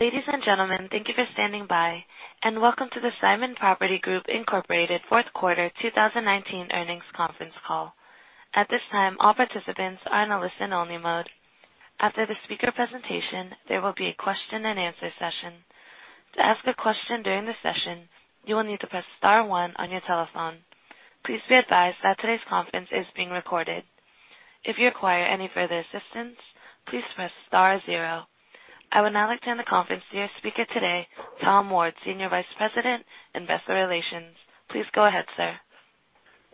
Ladies and gentlemen, thank you for standing by, and welcome to the Simon Property Group, Inc fourth quarter 2019 earnings conference call. At this time, all participants are in a listen-only mode. After the speaker presentation, there will be a question-and-answer session. To ask a question during the session, you will need to press star one on your telephone. Please be advised that today's conference is being recorded. If you require any further assistance, please press star zero. I would now like to hand the conference to your speaker today, Tom Ward, Senior Vice President, Investor Relations. Please go ahead, sir.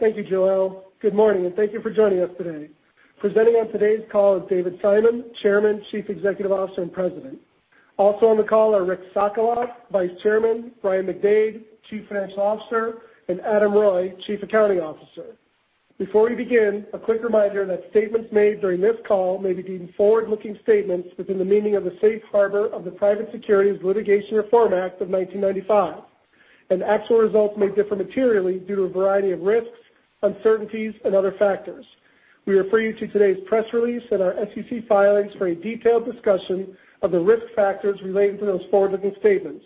Thank you, Joelle. Good morning, and thank you for joining us today. Presenting on today's call is David Simon, Chairman, Chief Executive Officer, and President. Also on the call are Rick Sokolov, Vice Chairman, Brian McDade, Chief Financial Officer, and Adam Reuille, Chief Accounting Officer. Before we begin, a quick reminder that statements made during this call may be deemed forward-looking statements within the meaning of the Safe Harbor of the Private Securities Litigation Reform Act of 1995, and actual results may differ materially due to a variety of risks, uncertainties, and other factors. We refer you to today's press release and our SEC filings for a detailed discussion of the risk factors relating to those forward-looking statements.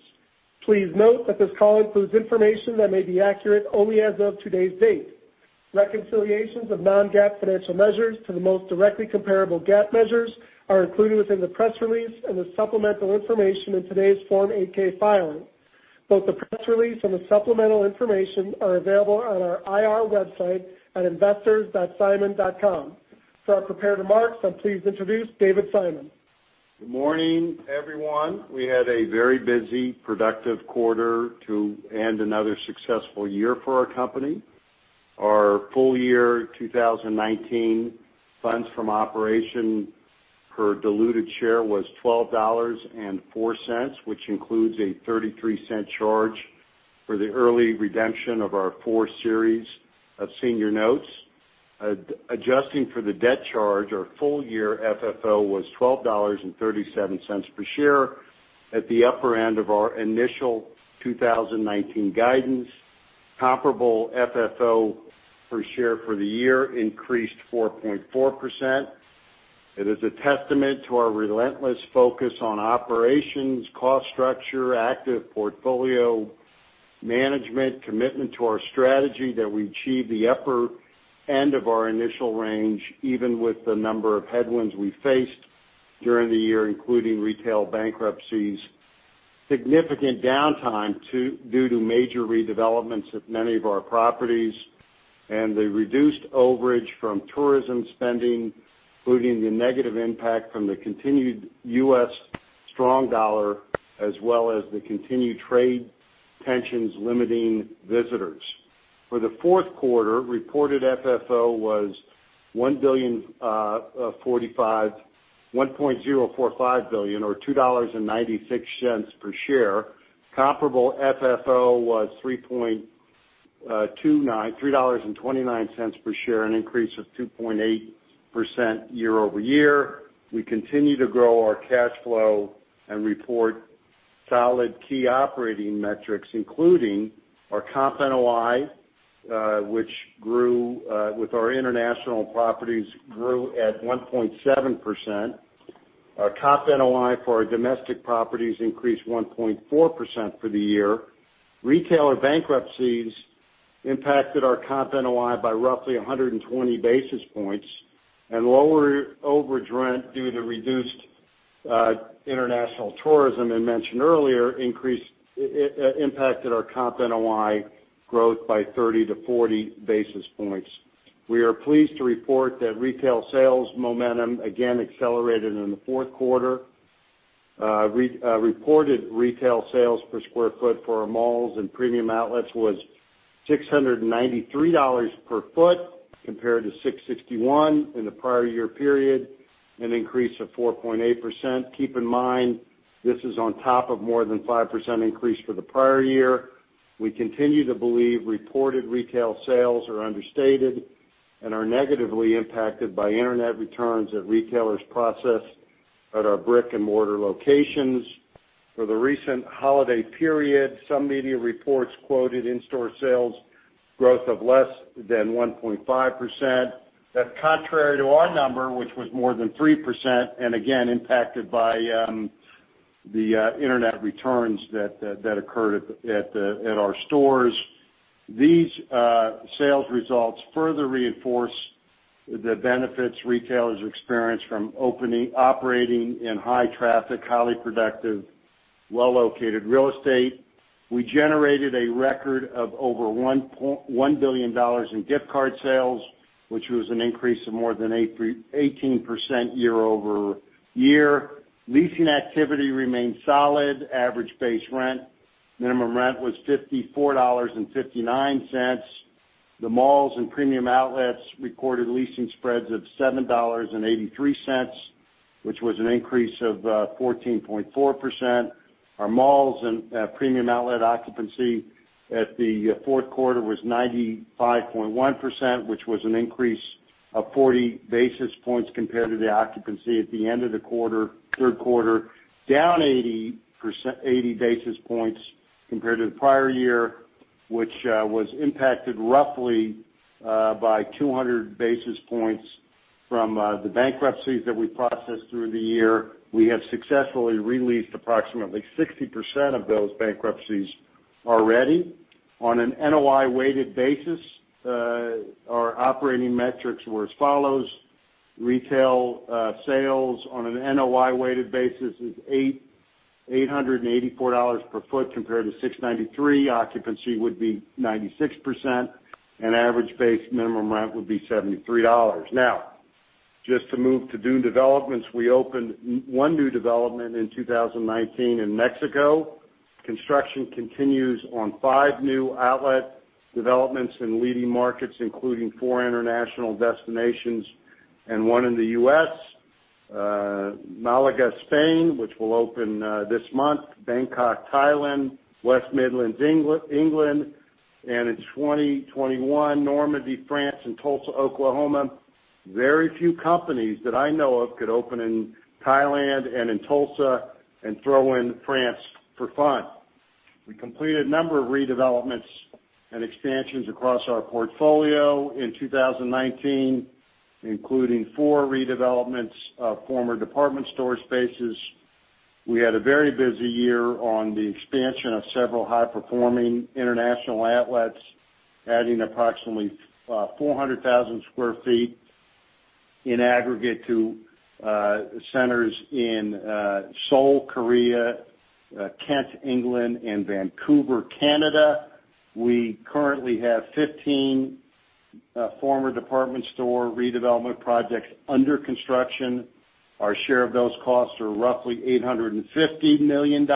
Please note that this call includes information that may be accurate only as of today's date. Reconciliations of non-GAAP financial measures to the most directly comparable GAAP measures are included within the press release and the supplemental information in today's Form 8-K filing. Both the press release and the supplemental information are available on our IR website at investors.simon.com. I'm prepared to mark, so please introduce David Simon. Good morning, everyone. We had a very busy, productive quarter to end another successful year for our company. Our full year 2019 funds from operation per diluted share was $12.04, which includes a $0.33 charge for the early redemption of our four series of senior notes. Adjusting for the debt charge, our full year FFO was $12.37 per share at the upper end of our initial 2019 guidance. Comparable FFO per share for the year increased 4.4%. It is a testament to our relentless focus on operations, cost structure, active portfolio management, commitment to our strategy that we achieve the upper end of our initial range, even with the number of headwinds we faced during the year, including retail bankruptcies, significant downtime due to major redevelopments of many of our properties, and the reduced overage from tourism spending, including the negative impact from the continued U.S. strong dollar as well as the continued trade tensions limiting visitors. For the fourth quarter, reported FFO was $1.045 billion, or $2.96 per share. Comparable FFO was $3.29 per share, an increase of 2.8% year-over-year. We continue to grow our cash flow and report solid key operating metrics, including our comp NOI, which grew with our international properties at 1.7%. Our comp NOI for our domestic properties increased 1.4% for the year. Retailer bankruptcies impacted our comp NOI by roughly 120 basis points, and lower overage rent due to reduced international tourism I mentioned earlier impacted our comp NOI growth by 30 to 40 basis points. We are pleased to report that retail sales momentum again accelerated in the fourth quarter. Reported retail sales per square foot for our malls and premium outlets was $693 per foot, compared to $661 in the prior year period, an increase of 4.8%. Keep in mind, this is on top of more than 5% increase for the prior year. We continue to believe reported retail sales are understated and are negatively impacted by internet returns that retailers process at our brick-and-mortar locations. For the recent holiday period, some media reports quoted in-store sales growth of less than 1.5%. That's contrary to our number, which was more than 3%, and again, impacted by the internet returns that occurred at our stores. These sales results further reinforce the benefits retailers experience from opening, operating in high traffic, highly productive, well-located real estate. We generated a record of over $1 billion in gift card sales, which was an increase of more than 18% year-over-year. Leasing activity remained solid. Average base rent, minimum rent was $54.59. The malls and premium outlets recorded leasing spreads of $7.83, which was an increase of 14.4%. Our malls and premium outlet occupancy at the fourth quarter was 95.1%, which was an increase of 40 basis points compared to the occupancy at the end of the third quarter. Down 80 basis points compared to the prior year, which was impacted roughly by 200 basis points. From the bankruptcies that we processed through the year, we have successfully re-leased approximately 60% of those bankruptcies already. On an NOI-weighted basis, our operating metrics were as follows: retail sales on an NOI-weighted basis is $884 per foot, compared to $693. Occupancy would be 96%, average base minimum rent would be $73. Now, just to move to new developments, we opened one new development in 2019 in Mexico. Construction continues on five new outlet developments in leading markets, including four international destinations and one in the U.S. Malaga, Spain, which will open this month, Bangkok, Thailand, West Midlands, England. In 2021, Normandy, France, and Tulsa, Oklahoma. Very few companies that I know of could open in Thailand and in Tulsa and throw in France for fun. We completed a number of redevelopments and expansions across our portfolio in 2019, including four redevelopments of former department store spaces. We had a very busy year on the expansion of several high-performing international outlets, adding approximately 400,000 sq ft in aggregate to centers in Seoul, Korea, Kent, England and Vancouver, Canada. We currently have 15 former department store redevelopment projects under construction. Our share of those costs are roughly $850 million.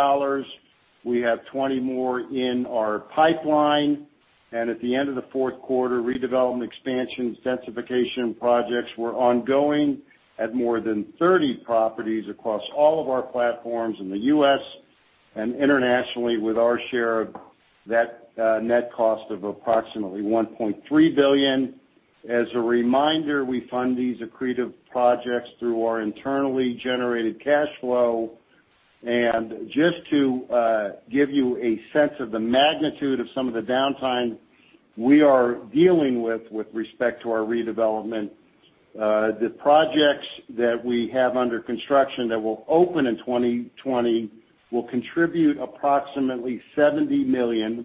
We have 20 more in our pipeline. At the end of the fourth quarter, redevelopment expansion densification projects were ongoing at more than 30 properties across all of our platforms in the U.S. and internationally with our share of that net cost of approximately $1.3 billion. As a reminder, we fund these accretive projects through our internally generated cash flow. Just to give you a sense of the magnitude of some of the downtime we are dealing with respect to our redevelopment, the projects that we have under construction that will open in 2020 will contribute approximately $70 million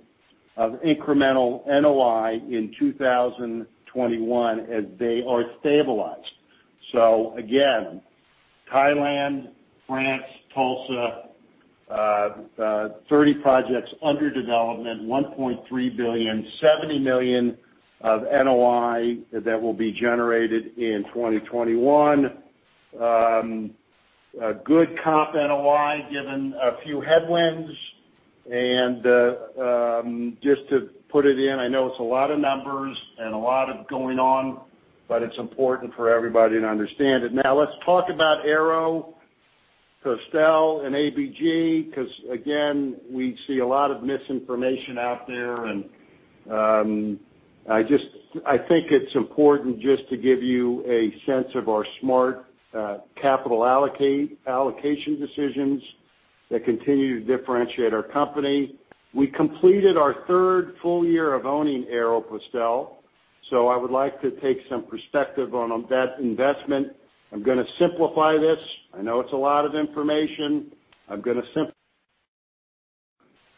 of incremental NOI in 2021 as they are stabilized. Again, Thailand, France, Tulsa, 30 projects under development, $1.3 billion, $70 million of NOI that will be generated in 2021. A good comp NOI given a few headwinds. Just to put it in, I know it's a lot of numbers and a lot going on, but it's important for everybody to understand it. Let's talk about Aéropostale and ABG because, again, we see a lot of misinformation out there, and I think it's important just to give you a sense of our smart capital allocation decisions that continue to differentiate our company. We completed our third full year of owning Aéropostale. I would like to take some perspective on that investment. I'm going to simplify this. I know it's a lot of information. I'm going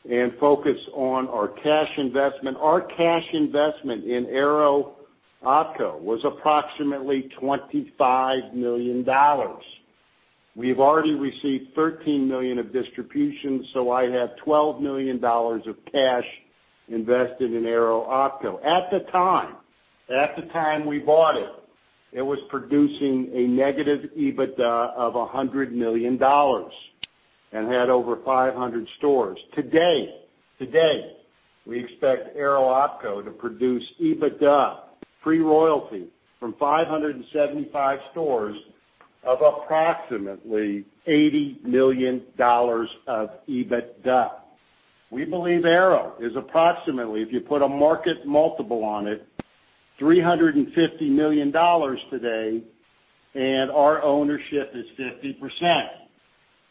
to focus on our cash investment. Our cash investment in Aero OpCo was approximately $25 million. We've already received $13 million of distribution, so I have $12 million of cash invested in Aero OpCo. At the time we bought it was producing a negative EBITDA of $100 million and had over 500 stores. Today, we expect Aero OpCo to produce EBITDA pre-royalty from 575 stores of approximately $80 million of EBITDA. We believe Aero is approximately, if you put a market multiple on it, $350 million today, and our ownership is 50%.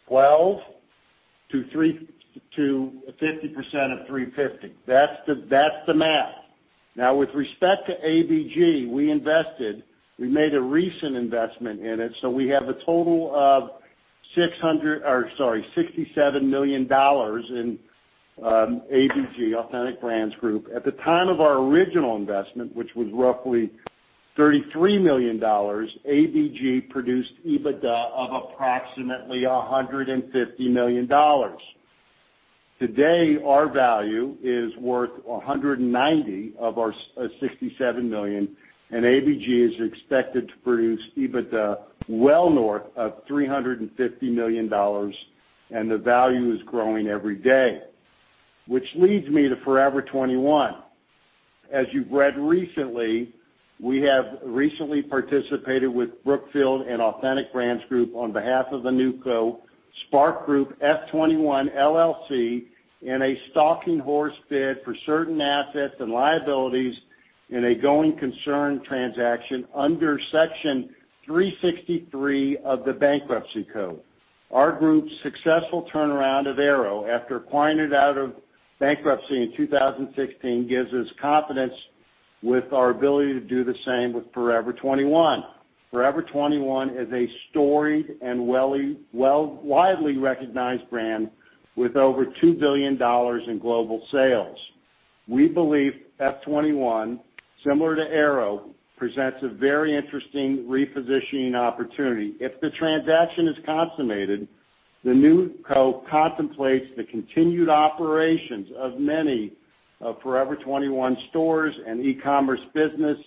12 to 50% of $350. That's the math. With respect to ABG, we made a recent investment in it, so we have a total of $67 million in ABG, Authentic Brands Group. At the time of our original investment, which was roughly $33 million, ABG produced EBITDA of approximately $150 million. Today, our value is worth $190 of our $67 million, ABG is expected to produce EBITDA well north of $350 million, the value is growing every day. Which leads me to Forever 21. As you've read recently, we have recently participated with Brookfield and Authentic Brands Group on behalf of the NewCo, SPARC Group F21 LLC, in a stalking horse bid for certain assets and liabilities in a going concern transaction under Section 363 of the Bankruptcy Code. Our group's successful turnaround of Aero after acquiring it out of bankruptcy in 2016 gives us confidence with our ability to do the same with Forever 21. Forever 21 is a storied and widely recognized brand with over $2 billion in global sales. We believe F21, similar to Aero, presents a very interesting repositioning opportunity. If the transaction is consummated, the NewCo contemplates the continued operations of many of Forever 21 stores and e-commerce business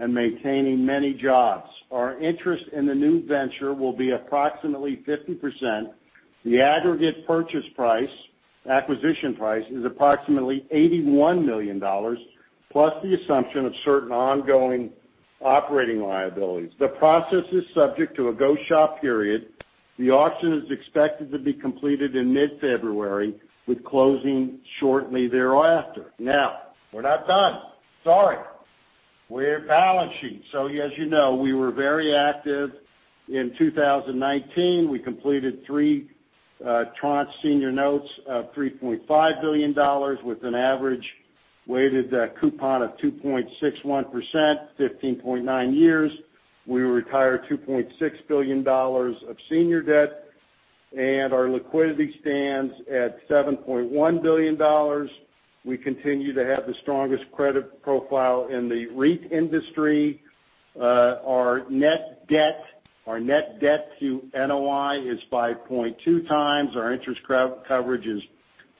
and maintaining many jobs. Our interest in the new venture will be approximately 50%. The aggregate purchase price, acquisition price, is approximately $81 million, plus the assumption of certain ongoing operating liabilities. The process is subject to a go-shop period. The auction is expected to be completed in mid-February with closing shortly thereafter. We're not done. Sorry. We're a balance sheet. As you know, we were very active in 2019. We completed three tranche senior notes of $3.5 billion with an average weighted coupon of 2.61%, 15.9 years. We retired $2.6 billion of senior debt, and our liquidity stands at $7.1 billion. We continue to have the strongest credit profile in the REIT industry. Our net debt to NOI is 5.2x. Our interest coverage is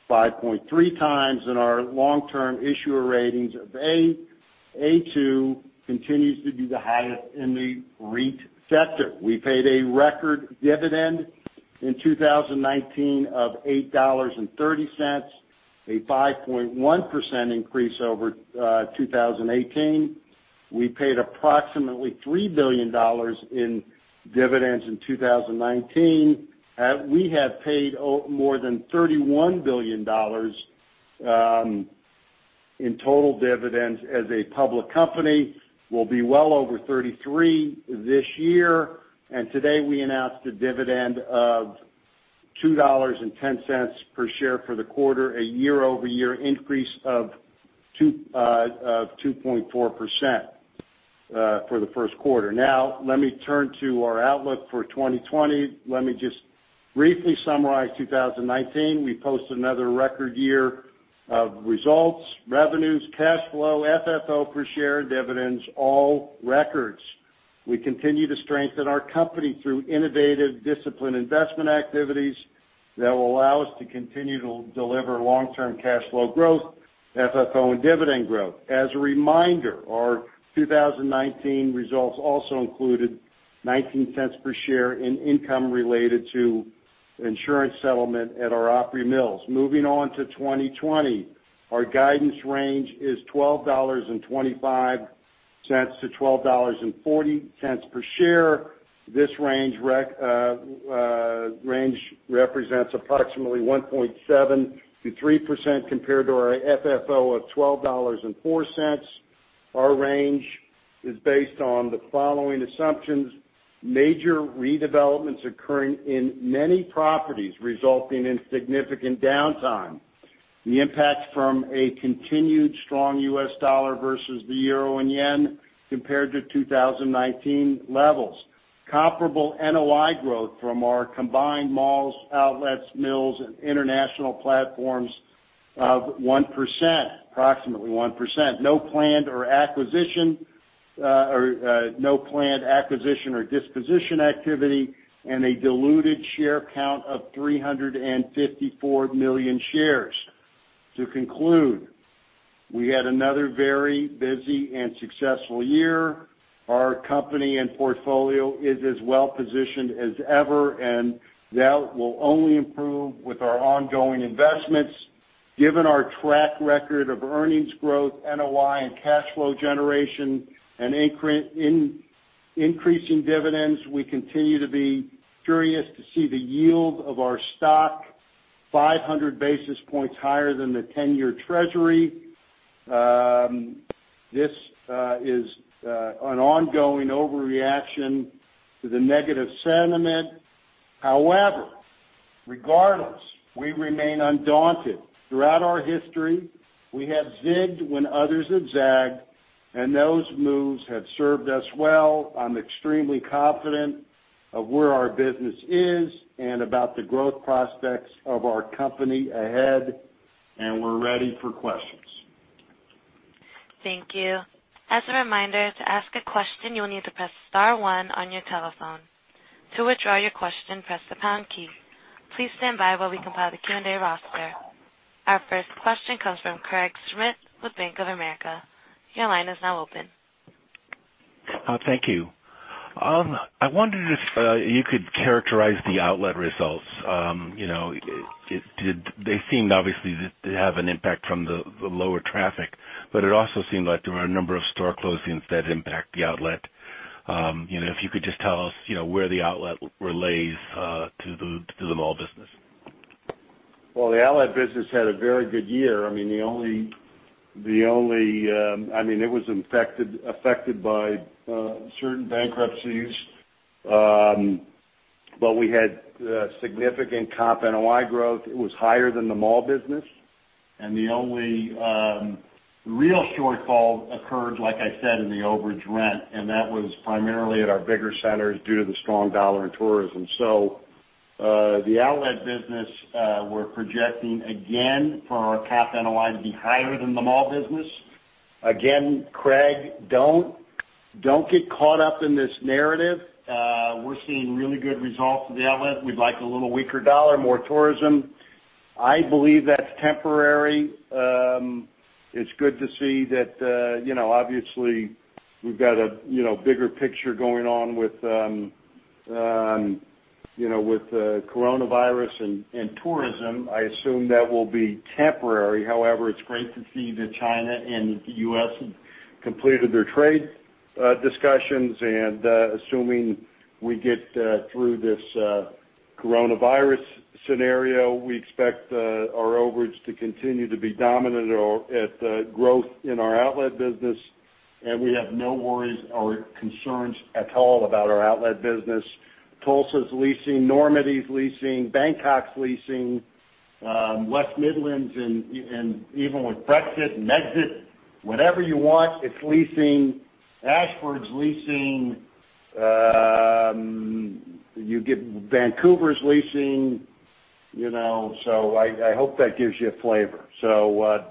5.3x, and our long-term issuer ratings of A, A2 continues to be the highest in the REIT sector. We paid a record dividend in 2019 of $8.30, a 5.1% increase over 2018. We paid approximately $3 billion in dividends in 2019. We have paid more than $31 billion in total dividends as a public company. We'll be well over 33 this year. Today, we announced a dividend of $2.10 per share for the quarter, a year-over-year increase of 2.4% for the first quarter. Let me turn to our outlook for 2020. Let me just briefly summarize 2019. We posted another record year of results, revenues, cash flow, FFO per share, and dividends, all records. We continue to strengthen our company through innovative discipline investment activities that will allow us to continue to deliver long-term cash flow growth, FFO, and dividend growth. As a reminder, our 2019 results also included $0.19 per share in income related to insurance settlement at our Opry Mills. Moving on to 2020, our guidance range is $12.25-$12.40 per share. This range represents approximately 1.7%-3% compared to our FFO of $12.04. Our range is based on the following assumptions. Major redevelopments occurring in many properties resulting in significant downtime. The impact from a continued strong U.S. dollar versus the euro and yen compared to 2019 levels. Comparable NOI growth from our combined malls, outlets, mills, and international platforms of 1%, approximately 1%. No planned acquisition or disposition activity, a diluted share count of 354 million shares. To conclude, we had another very busy and successful year. Our company and portfolio is as well-positioned as ever, and that will only improve with our ongoing investments. Given our track record of earnings growth, NOI, and cash flow generation, and increasing dividends, we continue to be curious to see the yield of our stock 500 basis points higher than the 10-year Treasury. This is an ongoing overreaction to the negative sentiment. However, regardless, we remain undaunted. Throughout our history, we have zigged when others have zagged, and those moves have served us well. I'm extremely confident of where our business is and about the growth prospects of our company ahead, and we're ready for questions. Thank you. As a reminder, to ask a question, you will need to press star one on your telephone. To withdraw your question, press the pound key. Please stand by while we compile the Q&A roster. Our first question comes from Craig Schmidt with Bank of America. Your line is now open. Thank you. I wondered if you could characterize the outlet results. They seemed, obviously, to have an impact from the lower traffic, but it also seemed like there were a number of store closings that impact the outlet. If you could just tell us where the outlet relates to the mall business. The outlet business had a very good year. It was affected by certain bankruptcies, but we had significant comp NOI growth. It was higher than the mall business, and the only real shortfall occurred, like I said, in the overage rent, and that was primarily at our bigger centers due to the strong dollar in tourism. The outlet business, we're projecting again for our comp NOI to be higher than the mall business. Craig, don't get caught up in this narrative. We're seeing really good results with the outlet. We'd like a little weaker dollar, more tourism. I believe that's temporary. It's good to see that, obviously we've got a bigger picture going on with the coronavirus and tourism. I assume that will be temporary. It's great to see that China and the U.S. have completed their trade discussions. Assuming we get through this coronavirus scenario, we expect our overage to continue to be dominant at the growth in our outlet business. We have no worries or concerns at all about our outlet business. Tulsa's leasing, Normandy's leasing, Bangkok's leasing, West Midlands. Even with Brexit and Nexit, whatever you want, it's leasing. Ashford's leasing. Vancouver's leasing. I hope that gives you a flavor.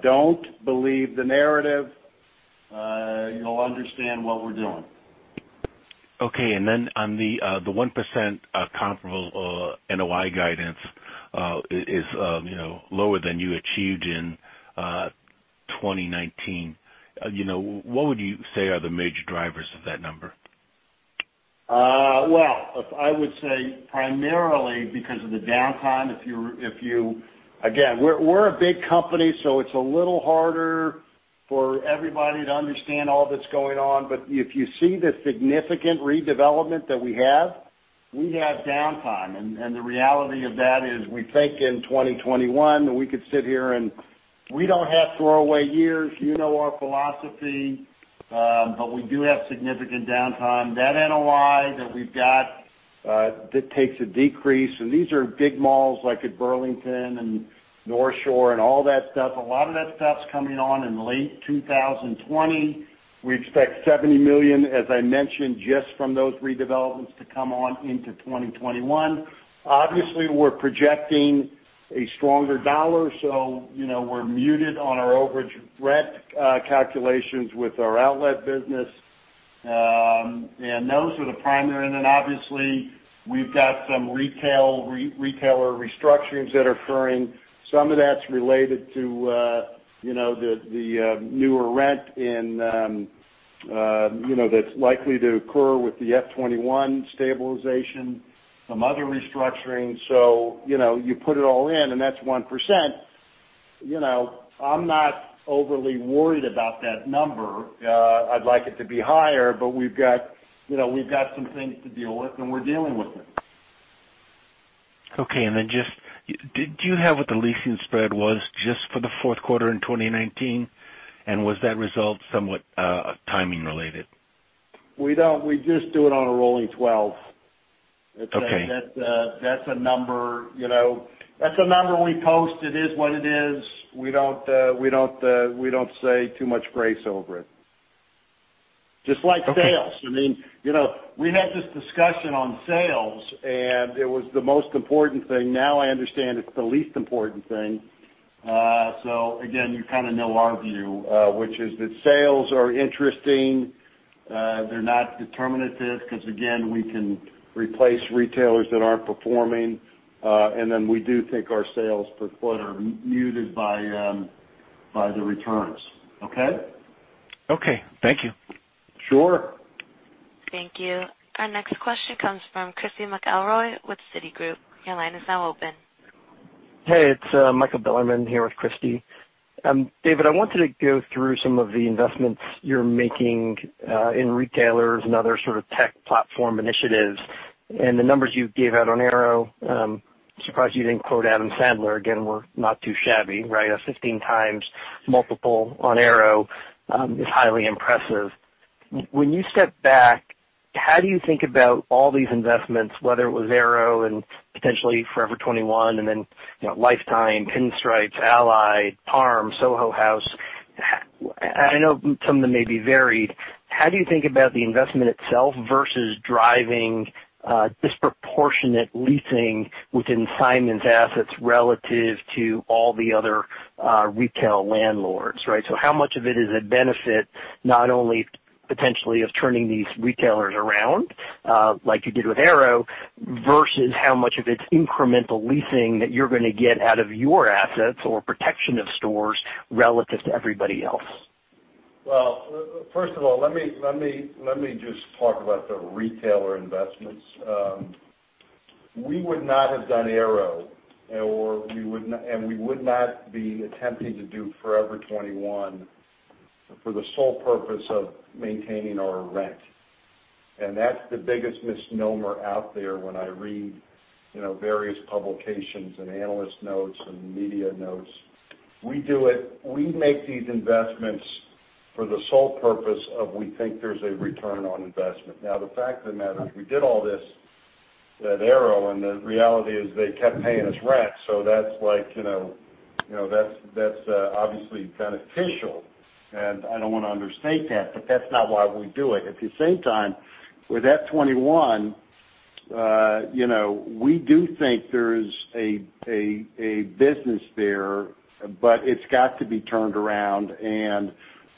Don't believe the narrative. You'll understand what we're doing. Okay. On the 1% Comparable NOI guidance is lower than you achieved in 2019. What would you say are the major drivers of that number? Well, I would say primarily because of the downtime. We're a big company, so it's a little harder for everybody to understand all that's going on. If you see the significant redevelopment that we have, we have downtime, and the reality of that is we think in 2021 that we could sit here and we don't have throwaway years, you know our philosophy, but we do have significant downtime. That NOI that we've got, that takes a decrease. These are big malls like at Burlington and North Shore and all that stuff. A lot of that stuff's coming on in late 2020. We expect $70 million, as I mentioned, just from those redevelopments to come on into 2021. We're projecting a stronger dollar, so we're muted on our overage rent calculations with our outlet business. Those are the primary, and then obviously we've got some retailer restructurings that are occurring. Some of that's related to the newer rent that's likely to occur with the F21 stabilization, some other restructuring. You put it all in, and that's 1%. I'm not overly worried about that number. I'd like it to be higher, but we've got some things to deal with, and we're dealing with it. Okay. Then just, do you have what the leasing spread was just for the fourth quarter in 2019? Was that result somewhat timing related? We don't. We just do it on a rolling 12. Okay. That's a number we post. It is what it is. We don't say too much grace over it. Just like sales. Okay. We had this discussion on sales. It was the most important thing. Now I understand it's the least important thing. Again, you kind of know our view, which is that sales are interesting. They're not determinative, because again, we can replace retailers that aren't performing. Then we do think our sales per foot are muted by the returns. Okay. Okay. Thank you. Sure. Thank you. Our next question comes from Christy McElroy with Citigroup. Your line is now open. Hey, it's Michael Bilerman here with Christy. David, I wanted to go through some of the investments you're making in retailers and other sort of tech platform initiatives, and the numbers you gave out on Aero. Surprised you didn't quote Adam Sandler again. We're not too shabby, right? A 15x multiple on Aero is highly impressive. When you step back, how do you think about all these investments, whether it was Aero and potentially Forever 21, and then Life Time, Pinstripes, Ally, Parm, Soho House. I know some of them may be varied. How do you think about the investment itself versus driving disproportionate leasing within Simon's assets relative to all the other retail landlords, right? How much of it is a benefit, not only potentially of turning these retailers around, like you did with Aero, versus how much of it's incremental leasing that you're going to get out of your assets or protection of stores relative to everybody else? Well, first of all, let me just talk about the retailer investments. We would not have done Aero, and we would not be attempting to do Forever 21 for the sole purpose of maintaining our rent. That's the biggest misnomer out there when I read various publications and analyst notes and media notes. We make these investments for the sole purpose of we think there's a return on investment. Now, the fact of the matter is, we did all this at Aero, and the reality is they kept paying us rent, so that's obviously beneficial, and I don't want to understate that, but that's not why we do it. At the same time, with F21, we do think there's a business there, it's got to be turned around.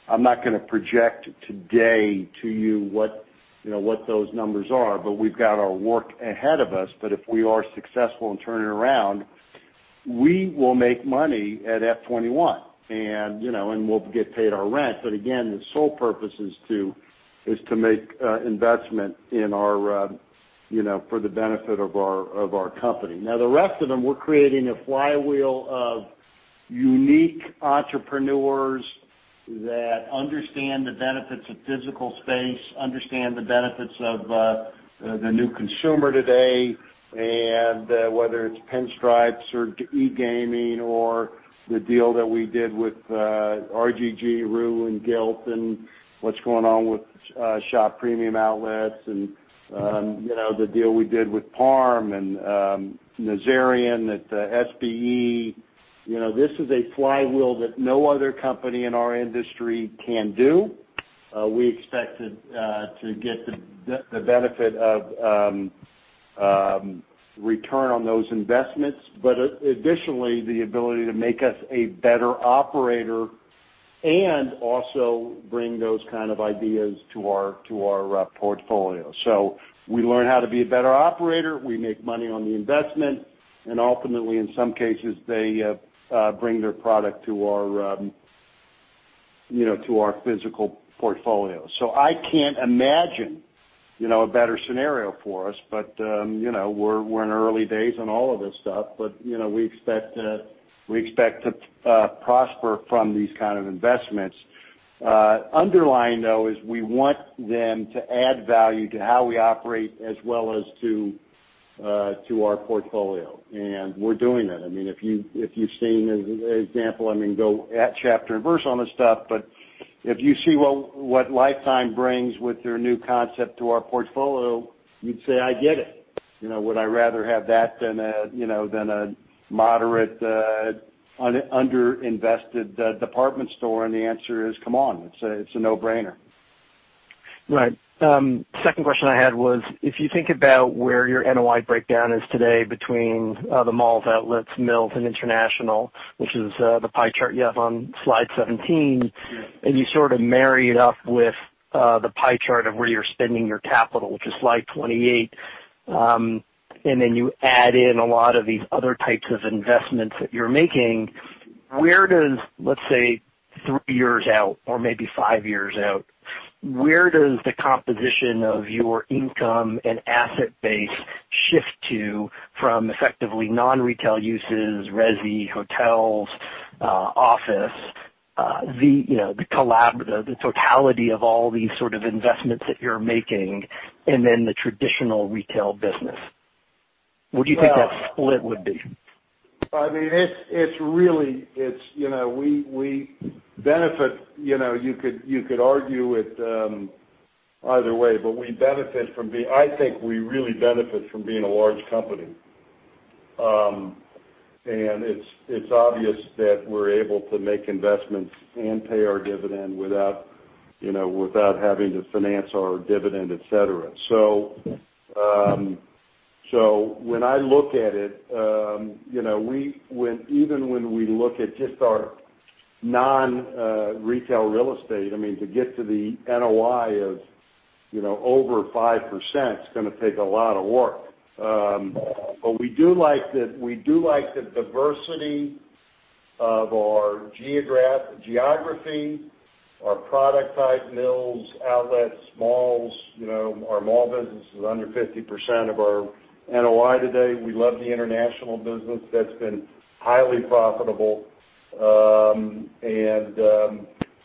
I'm not going to project today to you what those numbers are, we've got our work ahead of us, if we are successful in turning it around, we will make money at F21 and we'll get paid our rent. Again, the sole purpose is to make investment for the benefit of our company. The rest of them, we're creating a flywheel of unique entrepreneurs that understand the benefits of physical space, understand the benefits of the new consumer today, and whether it's Pinstripes or eGaming or the deal that we did with RGG, Rue and Gilt, and what's going on with Shop Premium Outlets and the deal we did with Parm and Nazarian at sbe. This is a flywheel that no other company in our industry can do. We expect to get the benefit of return on those investments, but additionally, the ability to make us a better operator and also bring those kind of ideas to our portfolio. We learn how to be a better operator, we make money on the investment, and ultimately, in some cases, they bring their product to our physical portfolio. I can't imagine a better scenario for us, but we're in early days on all of this stuff. We expect to prosper from these kind of investments. Underlying, though, is we want them to add value to how we operate as well as to our portfolio, and we're doing that. If you've seen an example, go at chapter and verse on this stuff, but if you see what Life Time brings with their new concept to our portfolio, you'd say, "I get it." Would I rather have that than a moderate, under-invested department store? The answer is, come on. It's a no-brainer. Right. Second question I had was, if you think about where your NOI breakdown is today between the malls, outlets, mills, and international, which is the pie chart you have on slide 17, and you sort of marry it up with the pie chart of where you're spending your capital, which is slide 28, and then you add in a lot of these other types of investments that you're making, let's say three years out or maybe five years out, where does the composition of your income and asset base shift to from effectively non-retail uses, resi, hotels, office, the totality of all these sort of investments that you're making, and then the traditional retail business? What do you think that split would be? You could argue it either way. I think we really benefit from being a large company. It's obvious that we're able to make investments and pay our dividend without having to finance our dividend, et cetera. When I look at it, even when we look at just our non-retail real estate, to get to the NOI of over 5%, it's going to take a lot of work. We do like the diversity of our geography, our product type mills, outlets, malls. Our mall business is under 50% of our NOI today. We love the international business. That's been highly profitable.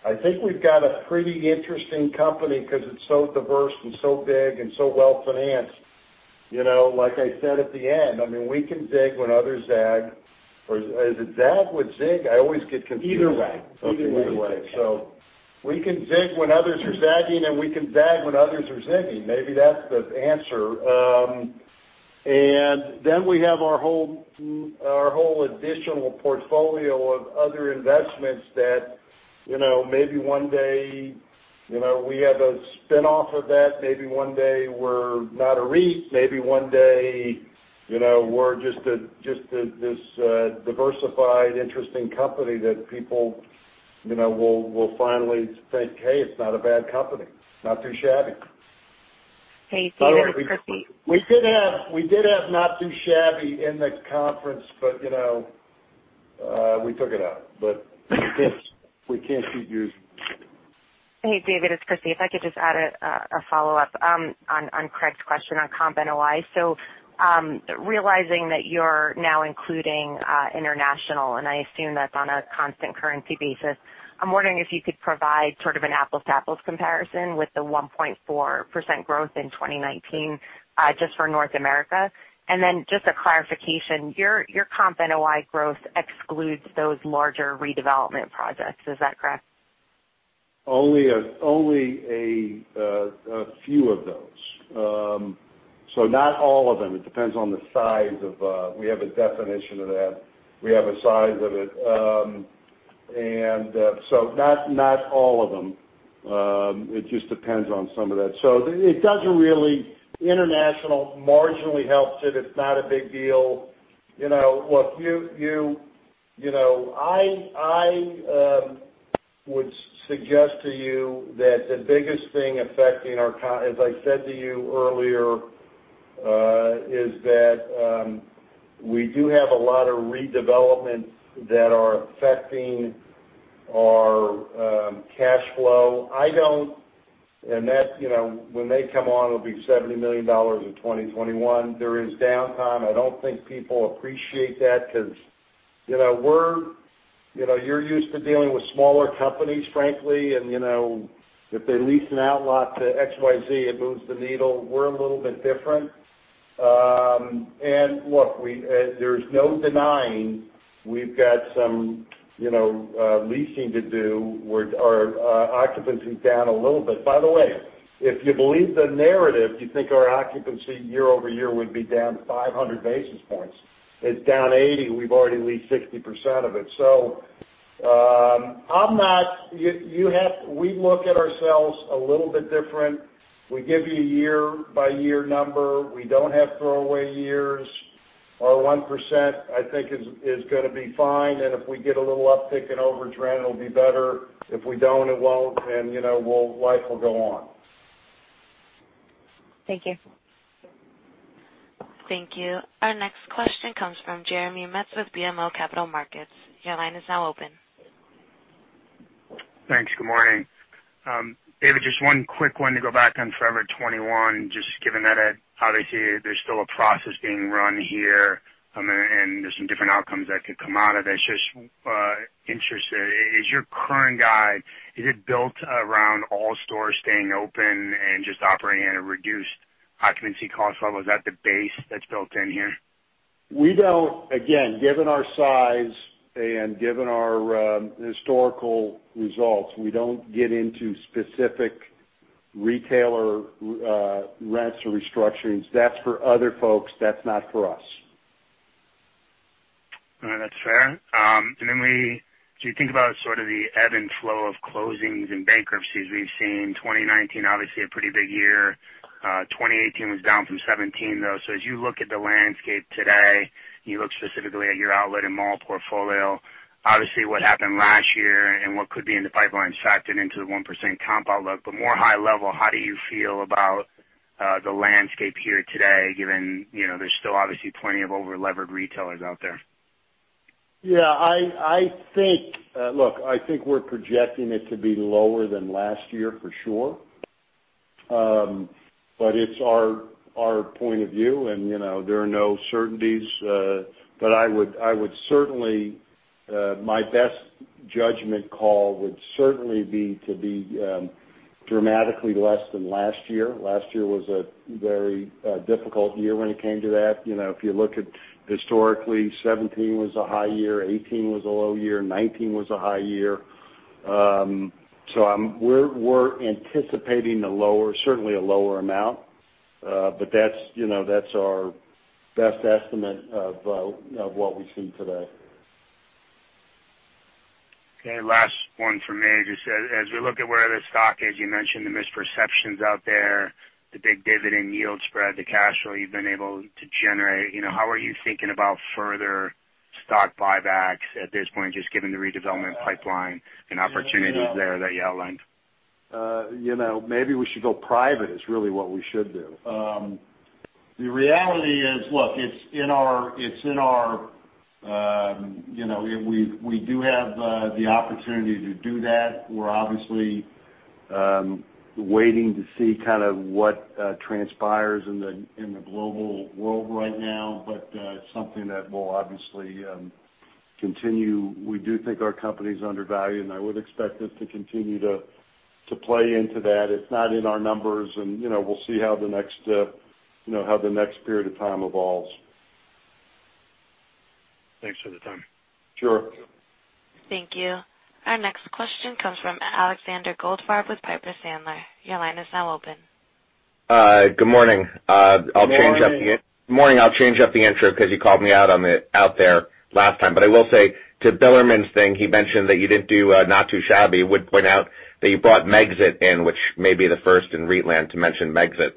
I think we've got a pretty interesting company because it's so diverse and so big and so well-financed. Like I said at the end, we can zig when others zag. Is it zag when zig? I always get confused. Either way. Okay, either way. We can zig when others are zagging, and we can zag when others are zigging. Maybe that's the answer. We have our whole additional portfolio of other investments that maybe one day we have a spin-off of that. Maybe one day we're not a REIT. Maybe one day we're just this diversified, interesting company that people will finally think, "Hey, it's not a bad company. Not too shabby. Hey, Steve, it's Christy. We did have not too shabby in the conference, but we took it out. We can't keep using it Hey, David, it's Christy. If I could just add a follow-up on Craig's question on comp NOI. Realizing that you're now including international, and I assume that's on a constant currency basis, I'm wondering if you could provide sort of an apples to apples comparison with the 1.4% growth in 2019, just for North America. Just a clarification, your comp NOI growth excludes those larger redevelopment projects, is that correct? Only a few of those. Not all of them. It depends on the size. We have a definition of that. We have a size of it. Not all of them. It just depends on some of that. International marginally helps it. It's not a big deal. I would suggest to you that the biggest thing affecting our, as I said to you earlier, is that we do have a lot of redevelopments that are affecting our cash flow. When they come on, it'll be $70 million in 2021. There is downtime. I don't think people appreciate that because you're used to dealing with smaller companies, frankly, and if they lease an outlot to XYZ, it moves the needle. We're a little bit different. Look, there's no denying we've got some leasing to do. Our occupancy's down a little bit. By the way, if you believe the narrative, you'd think our occupancy year-over-year would be down 500 basis points. It's down 80. We've already leased 60% of it. We look at ourselves a little bit different. We give you a year-by-year number. We don't have throwaway years. Our 1%, I think is going to be fine, and if we get a little uptick in over trend, it'll be better. If we don't, it won't, and life will go on. Thank you. Thank you. Our next question comes from Jeremy Metz with BMO Capital Markets. Your line is now open. Thanks. Good morning. David, just one quick one to go back on Forever 21, just given that obviously there's still a process being run here, and there's some different outcomes that could come out of it. It's just, interested, is your current guide, is it built around all stores staying open and just operating at a reduced occupancy cost level? Is that the base that's built in here? Again, given our size and given our historical results, we don't get into specific retailer rents or restructurings. That's for other folks. That's not for us. That's fair. As you think about sort of the ebb and flow of closings and bankruptcies, we've seen 2019 obviously a pretty big year. 2018 was down from 2017, though. As you look at the landscape today, you look specifically at your outlet and mall portfolio. Obviously, what happened last year and what could be in the pipeline is factored into the 1% comp outlook. More high level, how do you feel about the landscape here today, given there's still obviously plenty of over-levered retailers out there? Look, I think we're projecting it to be lower than last year for sure. It's our point of view and there are no certainties. My best judgment call would certainly be to be dramatically less than last year. Last year was a very difficult year when it came to that. If you look at historically, 2017 was a high year, 2018 was a low year, 2019 was a high year. We're anticipating certainly a lower amount. That's our best estimate of what we see today. Okay, last one from me. As we look at where the stock is, you mentioned the misperceptions out there, the big dividend yield spread, the cash flow you've been able to generate. How are you thinking about further stock buybacks at this point, just given the redevelopment pipeline and opportunities there that you outlined? Maybe we should go private, is really what we should do. The reality is, we do have the opportunity to do that. We're obviously waiting to see what transpires in the global world right now. It's something that we'll obviously continue. We do think our company's undervalued, and I would expect us to continue to play into that. It's not in our numbers, and we'll see how the next period of time evolves. Thanks for the time. Sure. Thank you. Our next question comes from Alexander Goldfarb with Piper Sandler. Your line is now open. Good morning. Morning. Morning. I'll change up the intro because you called me out on it out there last time. I will say to Bilerman's thing, he mentioned that you didn't do not too shabby. I would point out that you brought Megxit in, which may be the first in REIT land to mention Megxit.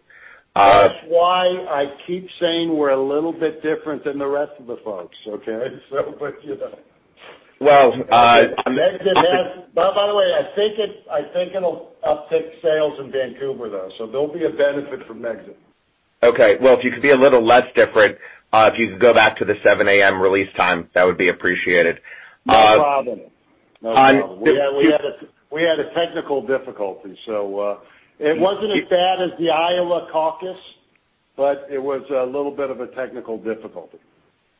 That's why I keep saying we're a little bit different than the rest of the folks, okay? Well- By the way, I think it'll uptick sales in Vancouver, though. There'll be a benefit from Megxit Okay. If you could be a little less different, if you could go back to the 7:00 A.M. release time, that would be appreciated. No problem. On- We had a technical difficulty, so it wasn't as bad as the Iowa caucus, but it was a little bit of a technical difficulty.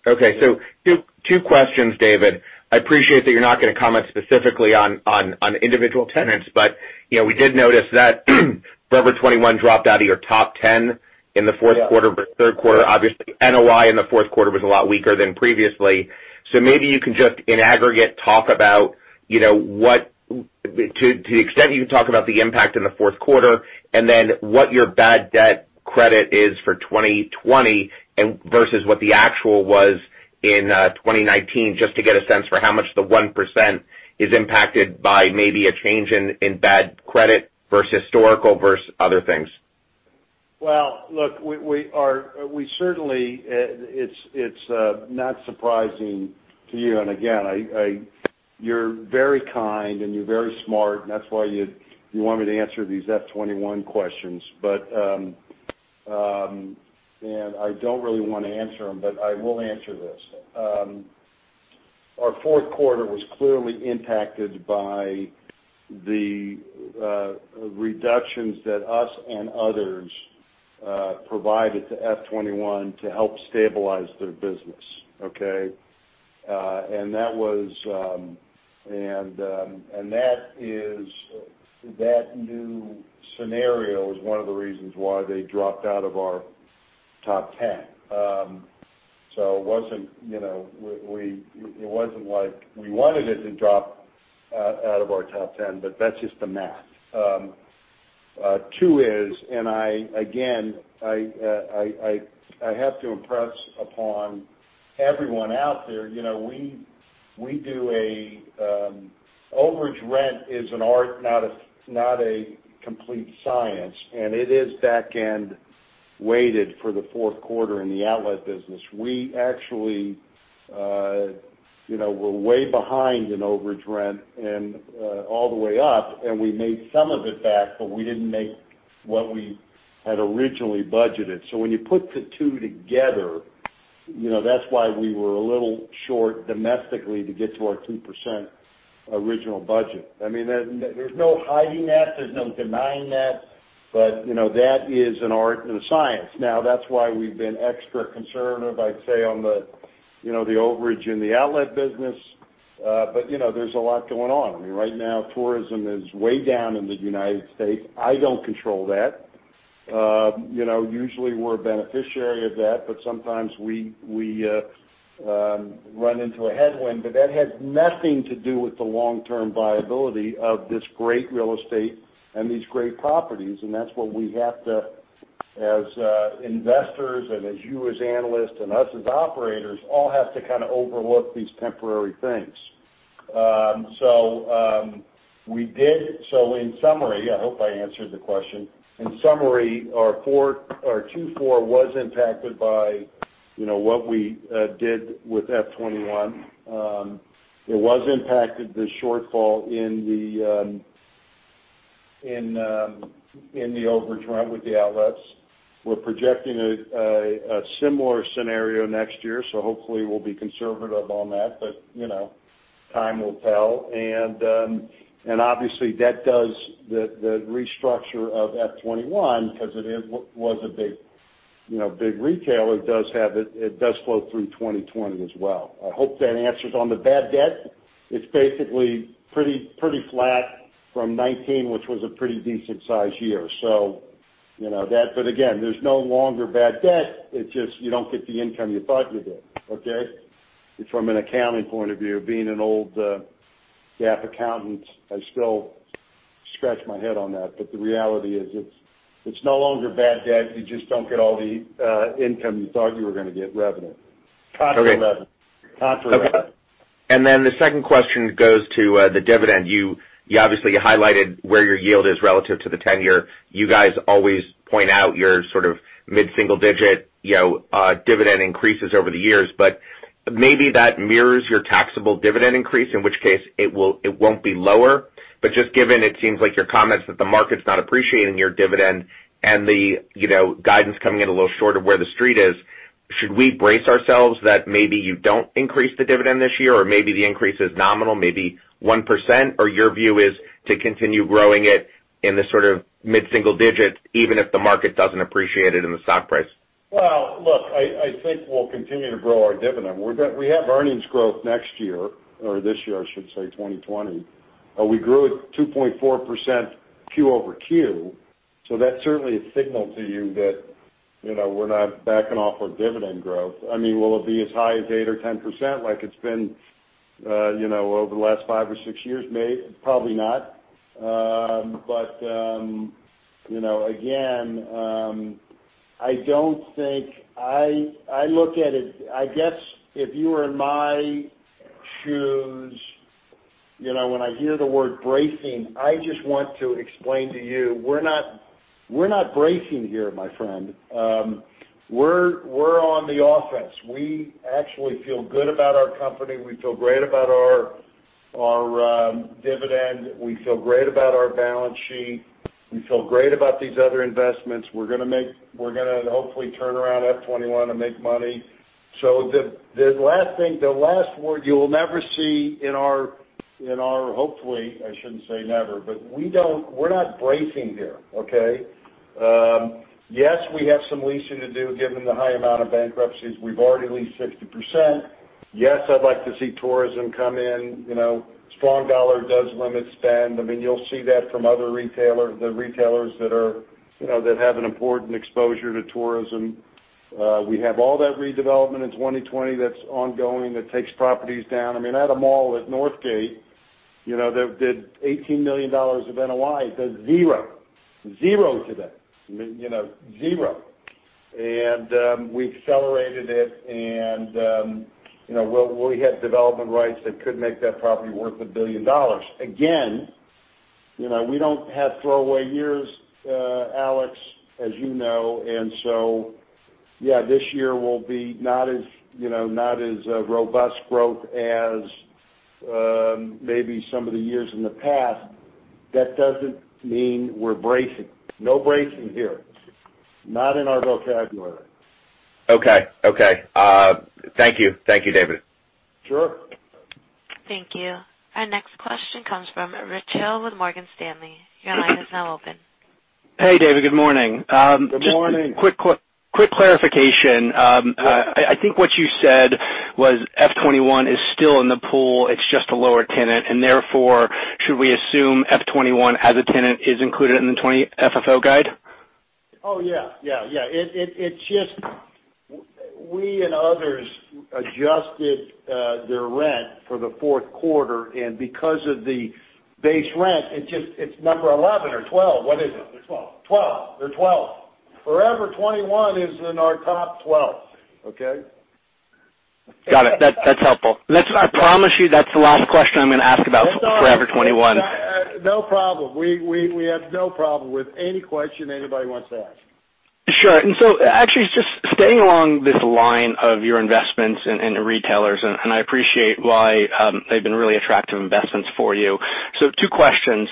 Okay. Two questions, David. I appreciate that you're not going to comment specifically on individual tenants, but we did notice that Forever 21 dropped out of your top 10 in the fourth quarter, but third quarter, obviously, NOI in the fourth quarter was a lot weaker than previously. Maybe you can just, in aggregate, to the extent you can talk about the impact in the fourth quarter, and then what your bad debt credit is for 2020 versus what the actual was in 2019. Just to get a sense for how much the 1% is impacted by maybe a change in bad credit versus historical versus other things. Well, look, it's not surprising to you. Again, you're very kind and you're very smart, and that's why you want me to answer these F21 questions. I don't really want to answer them, but I will answer this. Our fourth quarter was clearly impacted by the reductions that us and others provided to F21 to help stabilize their business. Okay? That new scenario is one of the reasons why they dropped out of our top 10. It wasn't like we wanted it to drop out of our top 10, but that's just the math. Two is, and again, I have to impress upon everyone out there, overage rent is an art, not a complete science, and it is backend weighted for the fourth quarter in the outlet business. We actually were way behind in overage rent and all the way up. We made some of it back, but we didn't make what we had originally budgeted. When you put the two together, that's why we were a little short domestically to get to our 2% original budget. There's no hiding that, there's no denying that, but that is an art and a science. That's why we've been extra conservative, I'd say, on the overage in the outlet business. There's a lot going on. Right now, tourism is way down in the U.S. I don't control that. Usually we're a beneficiary of that, sometimes we run into a headwind, that has nothing to do with the long-term viability of this great real estate and these great properties. That's what we have to, as investors, and as you as analysts, and us as operators, all have to kind of overlook these temporary things. In summary, I hope I answered the question. In summary, our Q4 was impacted by what we did with F21. It was impacted, the shortfall, in the overage rent with the outlets. We're projecting a similar scenario next year, so hopefully we'll be conservative on that. Time will tell. Obviously that does the restructure of F21, because it was a big retailer, it does flow through 2020 as well. I hope that answers. On the bad debt, it's basically pretty flat from 2019, which was a pretty decent size year. Again, there's no longer bad debt, it's just you don't get the income you thought you did. Okay. It's from an accounting point of view. Being an old GAAP accountant, I still scratch my head on that. The reality is, it's no longer bad debt, you just don't get all the income you thought you were going to get, revenue. contra revenue. Okay. Contra revenue. The second question goes to the dividend. You obviously highlighted where your yield is relative to the tenure. You guys always point out your sort of mid-single digit dividend increases over the years, but maybe that mirrors your taxable dividend increase, in which case it won't be lower. Just given it seems like your comments that the market's not appreciating your dividend and the guidance coming in a little short of where the street is, should we brace ourselves that maybe you don't increase the dividend this year, or maybe the increase is nominal, maybe 1%? Your view is to continue growing it in the sort of mid-single digits, even if the market doesn't appreciate it in the stock price? Look, I think we'll continue to grow our dividend. We have earnings growth next year, or this year, I should say, 2020. We grew it 2.4% quarter-over-quarter. That certainly is signal to you that we're not backing off our dividend growth. Will it be as high as eight or 10% like it's been over the last five or six years? Probably not. Again, I look at it, I guess if you were in my shoes, when I hear the word bracing, I just want to explain to you, we're not bracing here, my friend. We're on the offense. We actually feel good about our company. We feel great about our dividend. We feel great about our balance sheet. We feel great about these other investments. We're going to hopefully turn around F21 and make money. The last thing, the last word you will never see in our hopefully, I shouldn't say never, but we're not breaking here, okay. Yes, we have some leasing to do, given the high amount of bankruptcies. We've already leased 60%. Yes, I'd like to see tourism come in. Strong dollar does limit spend. You'll see that from other retailers that have an important exposure to tourism. We have all that redevelopment in 2020 that's ongoing, that takes properties down. At a mall at Northgate, they did $18 million of NOI. Does zero. Zero to that. Zero. We accelerated it and we had development rights that could make that property worth $1 billion. Again, we don't have throwaway years, Alex, as you know. Yeah, this year will be not as robust growth as maybe some of the years in the past. That doesn't mean we're breaking. No breaking here. Not in our vocabulary. Okay. Thank you, David. Sure. Thank you. Our next question comes from Rich Hill with Morgan Stanley. Your line is now open. Hey, David. Good morning. Good morning. Just quick clarification. I think what you said was F21 is still in the pool. It's just a lower tenant. Therefore, should we assume F21, as a tenant, is included in the 2020 FFO guide? Oh, yeah. It's just, we and others adjusted their rent for the fourth quarter, and because of the base rent, it's number 11 or 12. What is it? They're 12. 12. They're 12. Forever 21 is in our top 12, okay? Got it. That's helpful. I promise you, that's the last question I'm going to ask about Forever 21. It's all right. No problem. We have no problem with any question anybody wants to ask. Sure. Actually, just staying along this line of your investments and the retailers, I appreciate why they've been really attractive investments for you. Two questions.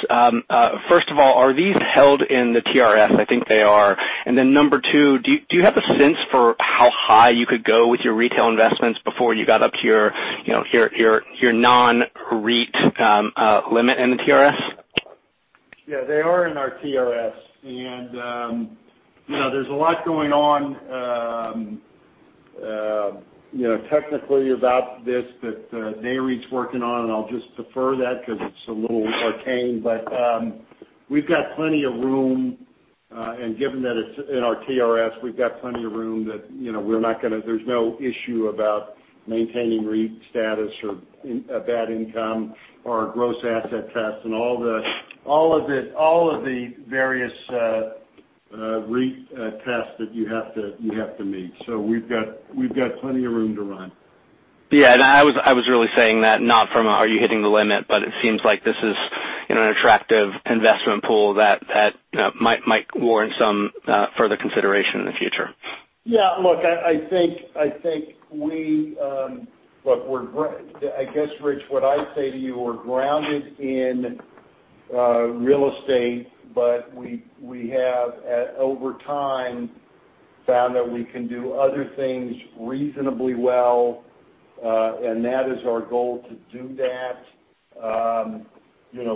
First of all, are these held in the TRS? I think they are. Number two, do you have a sense for how high you could go with your retail investments before you got up to your non-REIT limit in the TRS? Yeah, they are in our TRS. There's a lot going on technically about this, that Nareit's working on, and I'll just defer that because it's a little arcane, but we've got plenty of room. Given that it's in our TRS, we've got plenty of room that there's no issue about maintaining REIT status or bad income or our gross asset test and all of the various REIT tests that you have to meet. We've got plenty of room to run. Yeah, I was really saying that not from a, are you hitting the limit, but it seems like this is an attractive investment pool that might warrant some further consideration in the future. Yeah, look, I guess, Rich, what I'd say to you, we're grounded in real estate, but we have, over time, found that we can do other things reasonably well, and that is our goal to do that.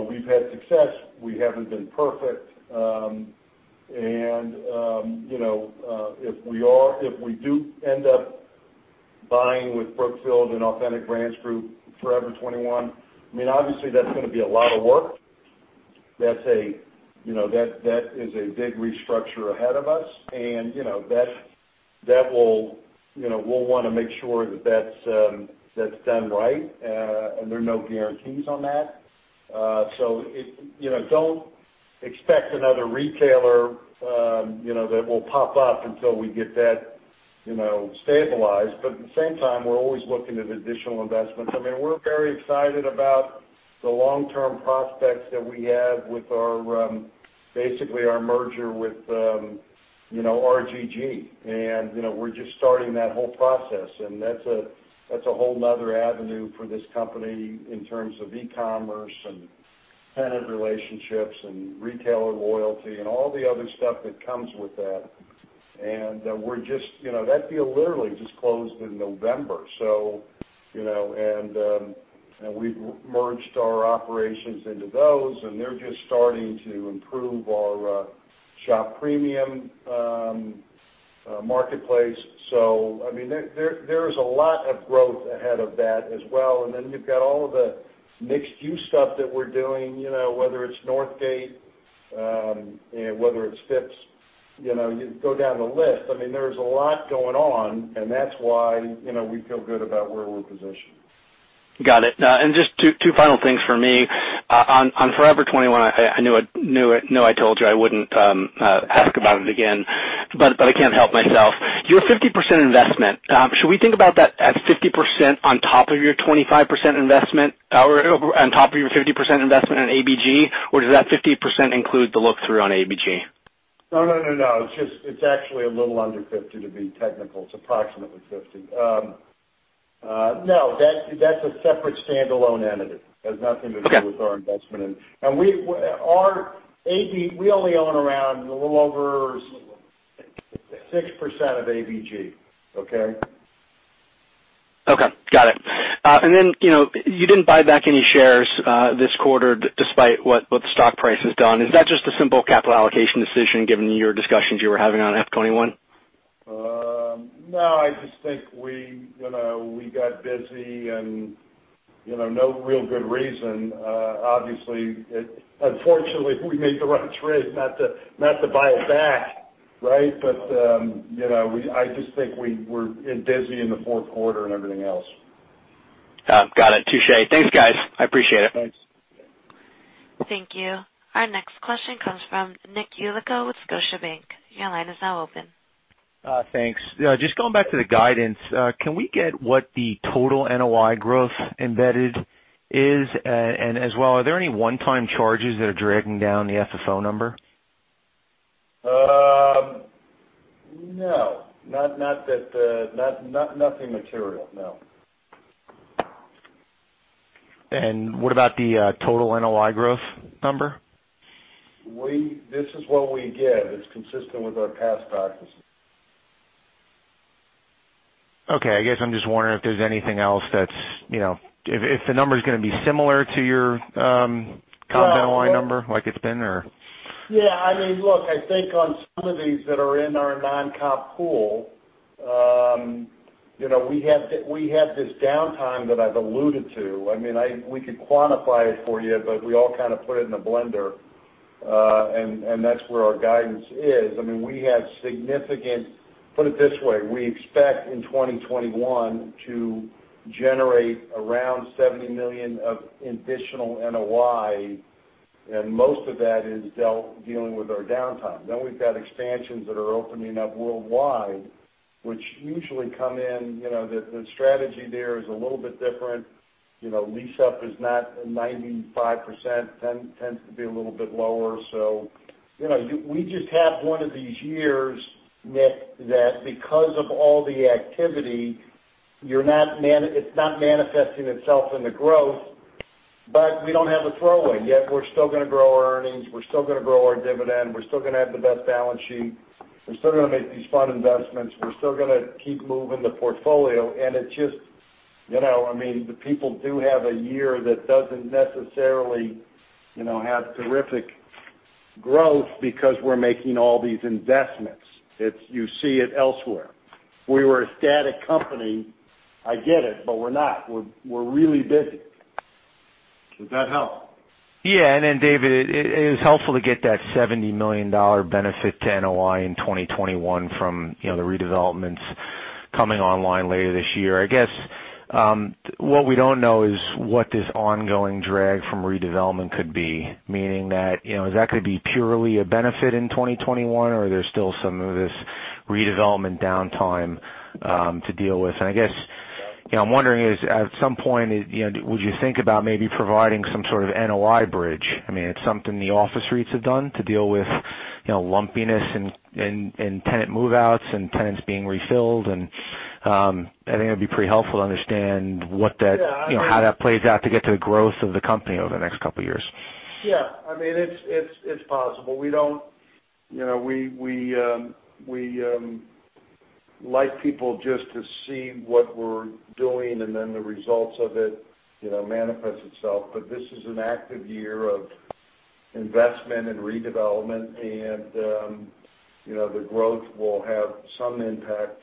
We've had success. We haven't been perfect. If we do end up buying with Brookfield and Authentic Brands Group, Forever 21, obviously that's going to be a lot of work. That is a big restructure ahead of us. We'll want to make sure that's done right, and there are no guarantees on that. Don't expect another retailer that will pop up until we get that stabilized. At the same time, we're always looking at additional investments. We're very excited about the long-term prospects that we have with basically our merger with RGG. We're just starting that whole process, and that's a whole another avenue for this company in terms of e-commerce and tenant relationships and retailer loyalty and all the other stuff that comes with that. That deal literally just closed in November. We've merged our operations into those, and they're just starting to improve our Shop Premium marketplace. There is a lot of growth ahead of that as well. Then you've got all of the mixed-use stuff that we're doing, whether it's Northgate, whether it's Phipps. You go down the list. There's a lot going on, and that's why we feel good about where we're positioned. Got it. Just two final things for me. On Forever 21, I know I told you I wouldn't ask about it again, but I can't help myself. Your 50% investment, should we think about that at 50% on top of your 25% investment or on top of your 50% investment in ABG? Does that 50% include the look-through on ABG? No. It's actually a little under 50, to be technical. It's approximately 50. That's a separate standalone entity. We only own around a little over 6% of ABG. Okay? Okay. Got it. You didn't buy back any shares this quarter despite what the stock price has done. Is that just a simple capital allocation decision given your discussions you were having on F21? No, I just think we got busy and no real good reason. Unfortunately, we made the right trade not to buy it back. Right? I just think we're busy in the fourth quarter and everything else. Got it. Touché. Thanks, guys. I appreciate it. Thanks. Thank you. Our next question comes from Nick Yulico with Scotiabank. Your line is now open. Thanks. Just going back to the guidance. Can we get what the total NOI growth embedded is, and as well, are there any one-time charges that are dragging down the FFO number? No. Nothing material, no. What about the total NOI growth number? This is what we give. It is consistent with our past practices. Okay. I guess I'm just wondering if there's anything else. If the number's going to be similar to your comp NOI number like it's been. Yeah. Look, I think on some of these that are in our non-comp pool, we had this downtime that I've alluded to. We could quantify it for you, but we all kind of put it in a blender. That's where our guidance is. Put it this way, we expect in 2021 to generate around $70 million of additional NOI, and most of that is dealing with our downtime. We've got expansions that are opening up worldwide, which usually come in, the strategy there is a little bit different. Lease up is not 95%, tends to be a little bit lower. We just have one of these years, Nick, that because of all the activity, it's not manifesting itself in the growth, but we don't have a throwaway, and yet we're still going to grow our earnings, we're still going to grow our dividend, we're still going to have the best balance sheet, we're still going to make these fund investments, we're still going to keep moving the portfolio, and the people do have a year that doesn't necessarily have terrific growth because we're making all these investments. You see it elsewhere. If we were a static company, I'd get it, but we're not. We're really busy. Does that help? Then David, it was helpful to get that $70 million benefit to NOI in 2021 from the redevelopments coming online later this year. I guess, what we don't know is what this ongoing drag from redevelopment could be. Meaning that, is that going to be purely a benefit in 2021, or there's still some of this redevelopment downtime to deal with? I guess, I'm wondering is, at some point, would you think about maybe providing some sort of NOI bridge? It's something the office REITs have done to deal with lumpiness and tenant move-outs and tenants being refilled and I think that'd be pretty helpful to understand how that plays out to get to the growth of the company over the next couple of years. Yeah. It's possible. We like people just to see what we're doing, and then the results of it manifests itself. This is an active year of investment and redevelopment and the growth will have some impact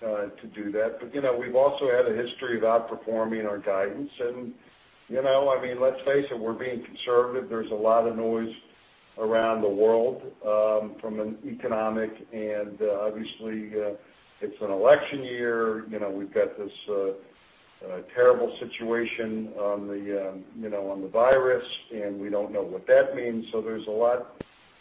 to do that. We've also had a history of outperforming our guidance and, let's face it, we're being conservative. There's a lot of noise around the world, from an economic, and obviously, it's an election year. We've got this terrible situation on the coronavirus, and we don't know what that means. There's a lot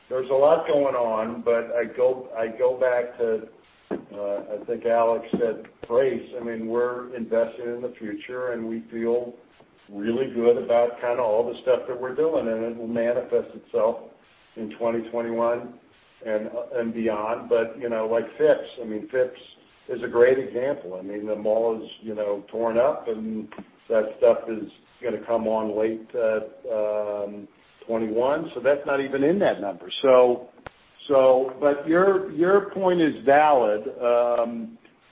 going on. I go back to, I think Alex said, brace. We're invested in the future, and we feel really good about kind of all the stuff that we're doing, and it will manifest itself in 2021 and beyond. Like Phipps. Phipps is a great example. The mall is torn up. That stuff is going to come on late 2021, so that's not even in that number. Your point is valid.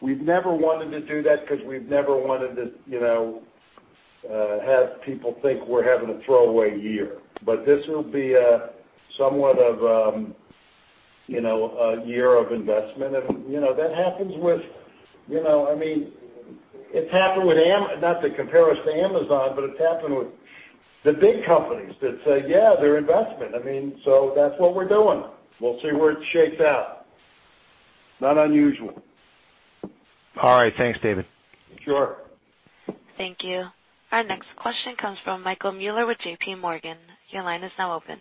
We've never wanted to do that because we've never wanted to have people think we're having a throwaway year. This will be somewhat of a year of investment. It's happened with, not to compare us to Amazon, but it's happened with the big companies that say, yeah, they're investment. That's what we're doing. We'll see where it shakes out. Not unusual. All right. Thanks, David. Sure. Thank you. Our next question comes from Michael Mueller with JPMorgan. Your line is now open.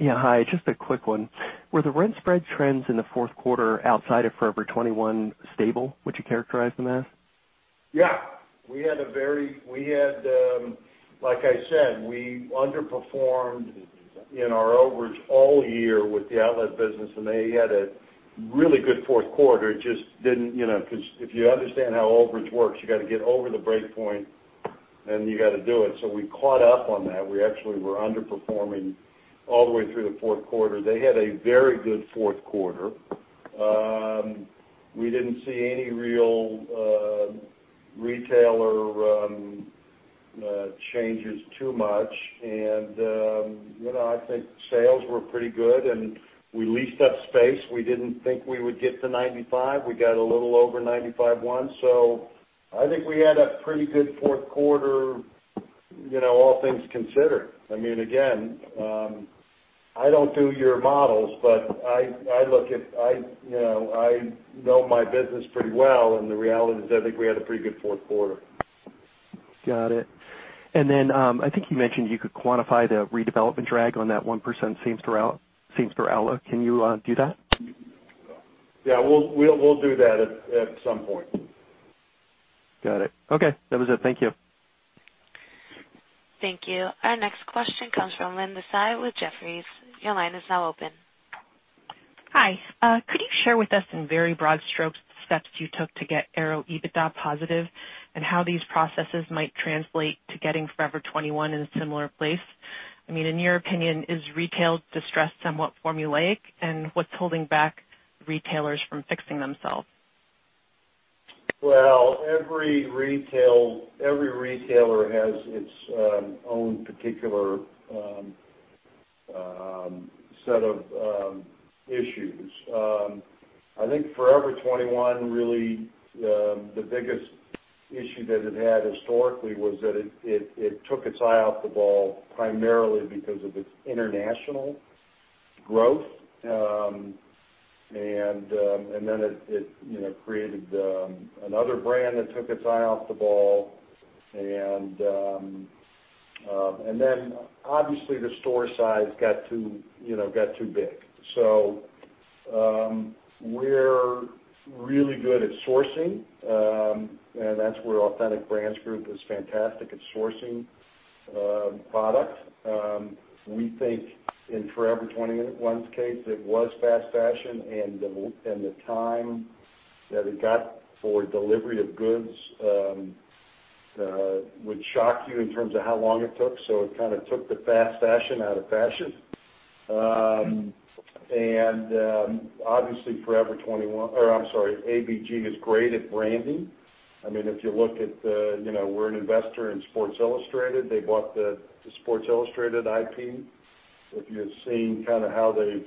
Yeah. Hi. Just a quick one. Were the rent spread trends in the fourth quarter outside of Forever 21 stable, would you characterize them as? Like I said, we underperformed in our overage all year with the outlet business. They had a really good fourth quarter. If you understand how overage works, you got to get over the break point. You got to do it. We caught up on that. We actually were underperforming all the way through the fourth quarter. They had a very good fourth quarter. We didn't see any real retailer changes too much. I think sales were pretty good. We leased up space. We didn't think we would get to 95. We got a little over 95.1. I think we had a pretty good fourth quarter, all things considered. Again, I don't do your models. I know my business pretty well. The reality is, I think we had a pretty good fourth quarter. Got it. I think you mentioned you could quantify the redevelopment drag on that 1% same store NOI. Can you do that? Yeah. We'll do that at some point. Got it. Okay, that was it. Thank you. Thank you. Our next question comes from Linda Tsai with Jefferies. Your line is now open. Hi. Could you share with us, in very broad strokes, the steps you took to get Aéropostale EBITDA positive, and how these processes might translate to getting Forever 21 in a similar place? In your opinion, is retail distress somewhat formulaic? What's holding back retailers from fixing themselves? Well, every retailer has its own particular set of issues. I think Forever 21, really, the biggest issue that it had historically was that it took its eye off the ball primarily because of its international growth. Then it created another brand that took its eye off the ball. Then obviously, the store size got too big. We're really good at sourcing, and that's where Authentic Brands Group is fantastic at sourcing product. We think in Forever 21's case, it was fast fashion, and the time that it got for delivery of goods would shock you in terms of how long it took. It kind of took the fast fashion out of fashion. Obviously ABG is great at branding. If you look at, we're an investor in Sports Illustrated. They bought the Sports Illustrated IP. If you have seen how they've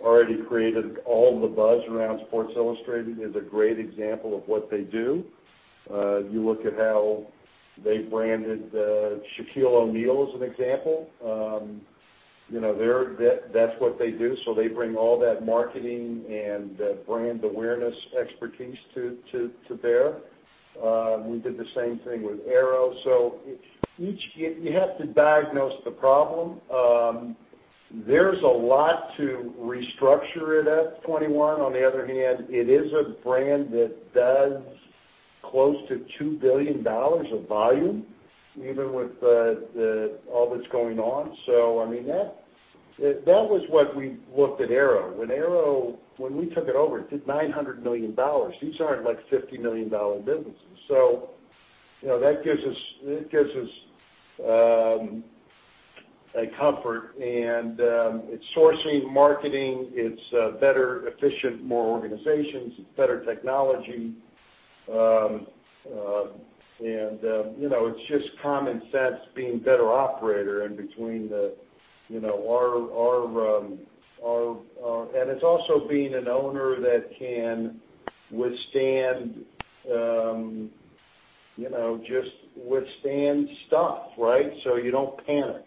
already created all the buzz around Sports Illustrated is a great example of what they do. You look at how they branded Shaquille O'Neal, as an example. That's what they do. They bring all that marketing and brand awareness expertise to bear. We did the same thing with Aero. You have to diagnose the problem. There's a lot to restructure at F21. On the other hand, it is a brand that does close to $2 billion of volume, even with all that's going on. That was what we looked at Aero. When we took it over, it did $900 million. These aren't like $50 million businesses. That gives us a comfort, and it's sourcing, marketing. It's better efficient, more organizations. It's better technology. It's just common sense being better operator. It's also being an owner that can just withstand stuff, right? You don't panic.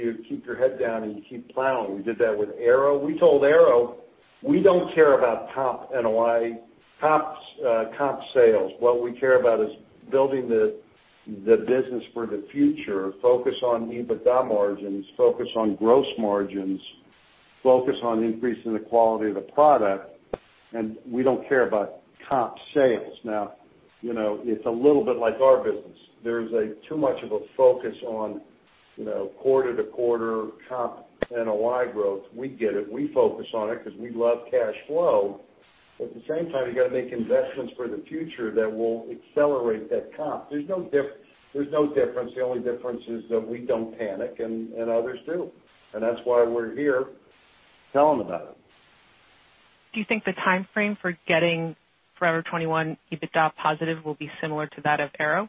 You keep your head down and you keep plowing. We did that with Aero. We told Aero, we don't care about top NOI, top sales. What we care about is building the business for the future. Focus on EBITDA margins, focus on gross margins, focus on increasing the quality of the product, and we don't care about top sales. Now, it's a little bit like our business. There's too much of a focus on quarter-to-quarter comp NOI growth. We get it. We focus on it because we love cash flow. At the same time, you got to make investments for the future that will accelerate that comp. There's no difference. The only difference is that we don't panic, and others do. That's why we're here telling about it. Do you think the timeframe for getting Forever 21 EBITDA positive will be similar to that of Aéropostale?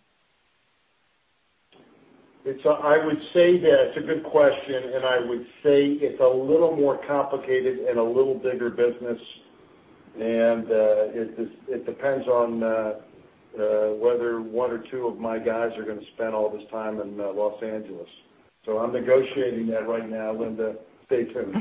It's a good question, I would say it's a little more complicated and a little bigger business. It depends on whether one or two of my guys are going to spend all this time in Los Angeles. I'm negotiating that right now, Linda. Stay tuned.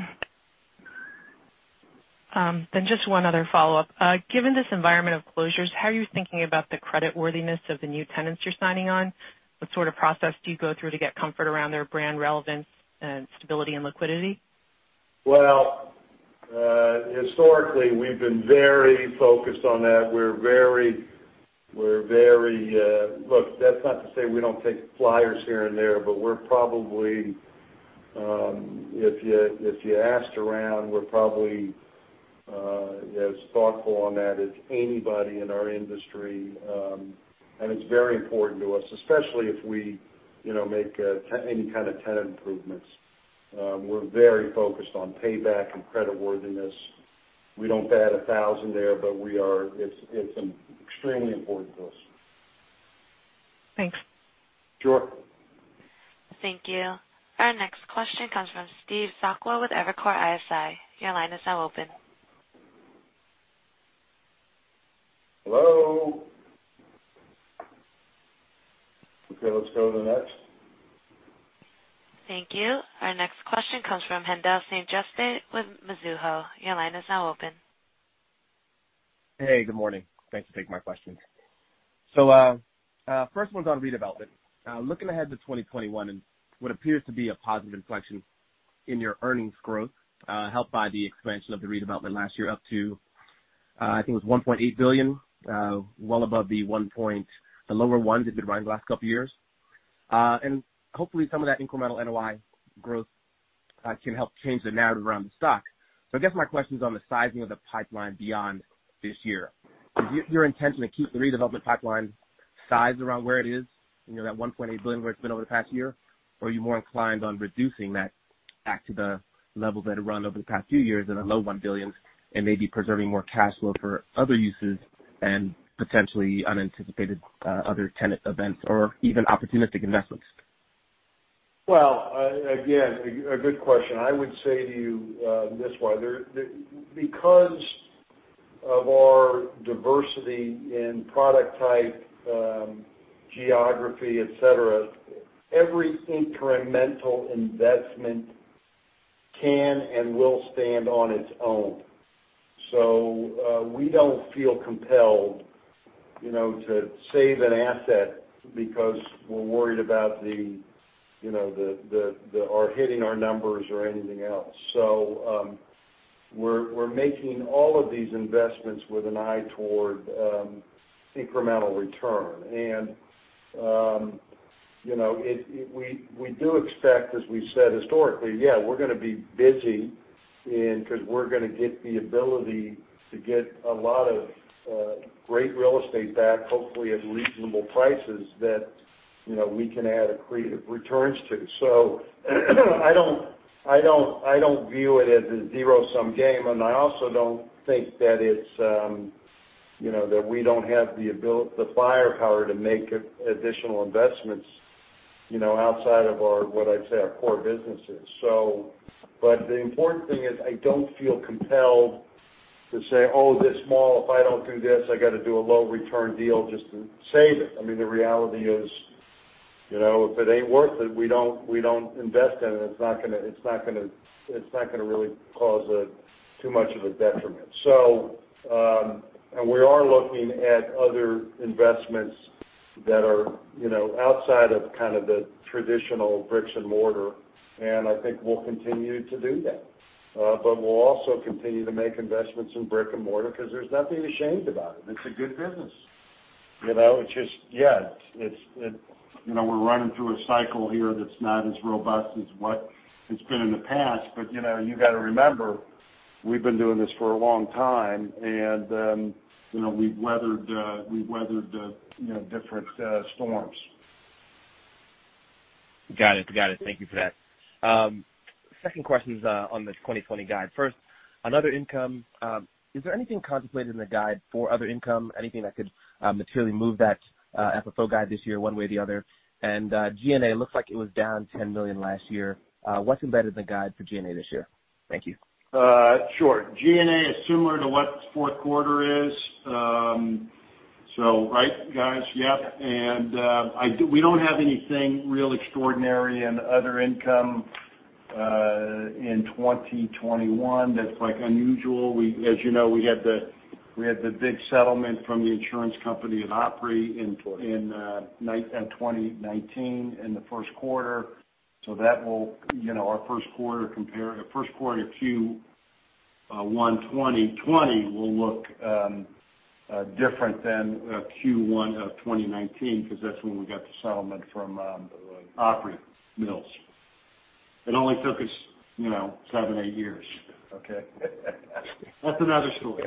Just one other follow-up. Given this environment of closures, how are you thinking about the credit worthiness of the new tenants you're signing on? What sort of process do you go through to get comfort around their brand relevance and stability and liquidity? Well, historically, we've been very focused on that. Look, that's not to say we don't take flyers here and there, but if you asked around, we're probably as thoughtful on that as anybody in our industry. It's very important to us, especially if we make any kind of tenant improvements. We're very focused on payback and creditworthiness. We don't bat 1,000 there, but it's extremely important to us. Thanks. Sure. Thank you. Our next question comes from Steve Sakwa with Evercore ISI. Your line is now open. Hello? Okay, let's go to the next. Thank you. Our next question comes from Haendel St. Juste with Mizuho. Your line is now open. Hey, good morning. Thanks for taking my question. First one's on redevelopment. Looking ahead to 2021 and what appears to be a positive inflection in your earnings growth, helped by the expansion of the redevelopment last year up to, I think it was $1.8 billion, well above the lower ones it's been running the last couple of years. Hopefully, some of that incremental NOI growth can help change the narrative around the stock. I guess my question is on the sizing of the pipeline beyond this year. Is your intention to keep the redevelopment pipeline size around where it is, near that $1.8 billion where it's been over the past year? Are you more inclined on reducing that back to the levels that have run over the past few years at a low $1 billion, and maybe preserving more cash flow for other uses and potentially unanticipated other tenant events or even opportunistic investments? Well, again, a good question. I would say to you this way. Because of our diversity in product type, geography, et cetera, every incremental investment can and will stand on its own. We don't feel compelled to save an asset because we're worried about hitting our numbers or anything else. We're making all of these investments with an eye toward incremental return. We do expect, as we've said historically, yeah, we're gonna be busy because we're gonna get the ability to get a lot of great real estate back, hopefully at reasonable prices, that we can add accretive returns to. I don't view it as a zero-sum game, and I also don't think that we don't have the firepower to make additional investments outside of what I'd say our core businesses. The important thing is I don't feel compelled to say, "Oh, this mall, if I don't do this, I got to do a low return deal just to save it." The reality is, if it ain't worth it, we don't invest in it. It's not gonna really cause too much of a detriment. We are looking at other investments that are outside of kind of the traditional brick and mortar, and I think we'll continue to do that. We'll also continue to make investments in brick and mortar because there's nothing to be ashamed about it. It's a good business. We're running through a cycle here that's not as robust as what it's been in the past. You've got to remember, we've been doing this for a long time, and we've weathered different storms. Got it. Thank you for that. Second question's on the 2020 guide. First, another income. Is there anything contemplated in the guide for other income? Anything that could materially move that FFO guide this year one way or the other? G&A looks like it was down $10 million last year. What's embedded in the guide for G&A this year? Thank you. Sure. G&A is similar to what fourth quarter is. Right, guys? Yep. Yep. We don't have anything real extraordinary in other income in 2021 that's unusual. As you know, we had the big settlement from the insurance company. Opry in 2019 in the first quarter. Our first quarter Q1 2020 will look different than Q1 of 2019 because that's when we got the settlement from Opry Mills. It only took us seven, eight years, okay? That's another story.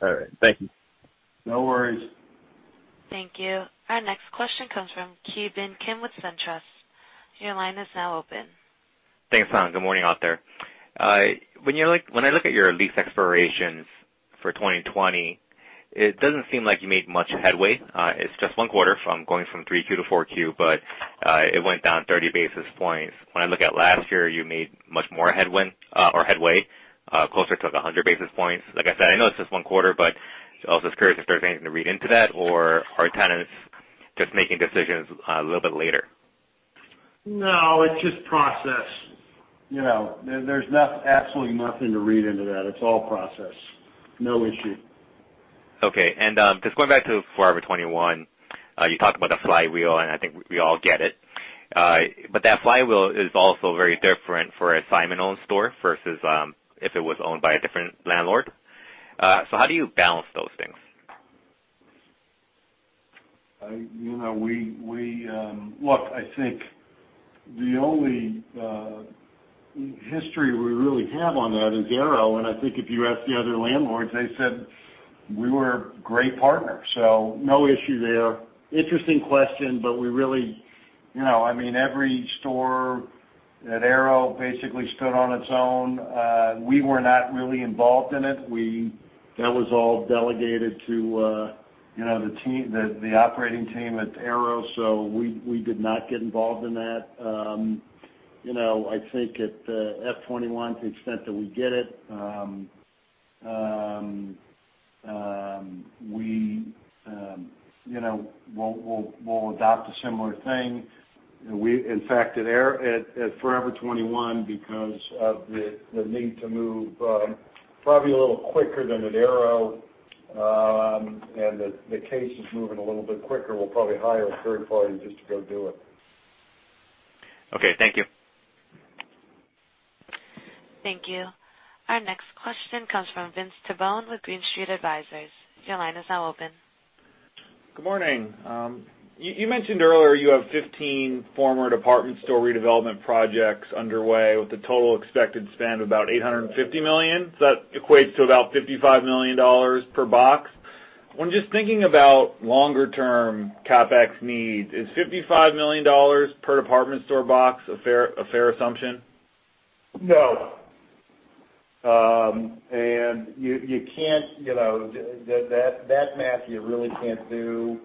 All right. Thank you. No worries. Thank you. Our next question comes from Ki Bin Kim with SunTrust. Your line is now open. Thanks, Hannah. Good morning out there. When I look at your lease expirations for 2020, it doesn't seem like you made much headway. It's just one quarter from going from 3Q to 4Q, but it went down 30 basis points. When I look at last year, you made much more headway, closer to like 100 basis points. Like I said, I know it's just one quarter, but also just curious if there's anything to read into that, or are tenants just making decisions a little bit later? No, it's just process. There's absolutely nothing to read into that. It's all process. No issue. Okay. Just going back to Forever 21, you talked about the flywheel, and I think we all get it. That flywheel is also very different for a Simon-owned store versus if it was owned by a different landlord. How do you balance those things? Look, I think the only history we really have on that is Aéropostale. I think if you ask the other landlords, they said we were a great partner, so no issue there. Interesting question, every store at Aéropostale basically stood on its own. We were not really involved in it. That was all delegated to the operating team at Aéropostale, so we did not get involved in that. I think at the F21, to the extent that we get it, we'll adopt a similar thing. At Forever 21, because of the need to move probably a little quicker than at Aéropostale, and the case is moving a little bit quicker, we'll probably hire a third party just to go do it. Okay. Thank you. Thank you. Our next question comes from Vince Tibone with Green Street Advisors. Your line is now open. Good morning. You mentioned earlier you have 15 former department store redevelopment projects underway with a total expected spend of about $850 million. That equates to about $55 million per box. When just thinking about longer term CapEx needs, is $55 million per department store box a fair assumption? No. That math you really can't do.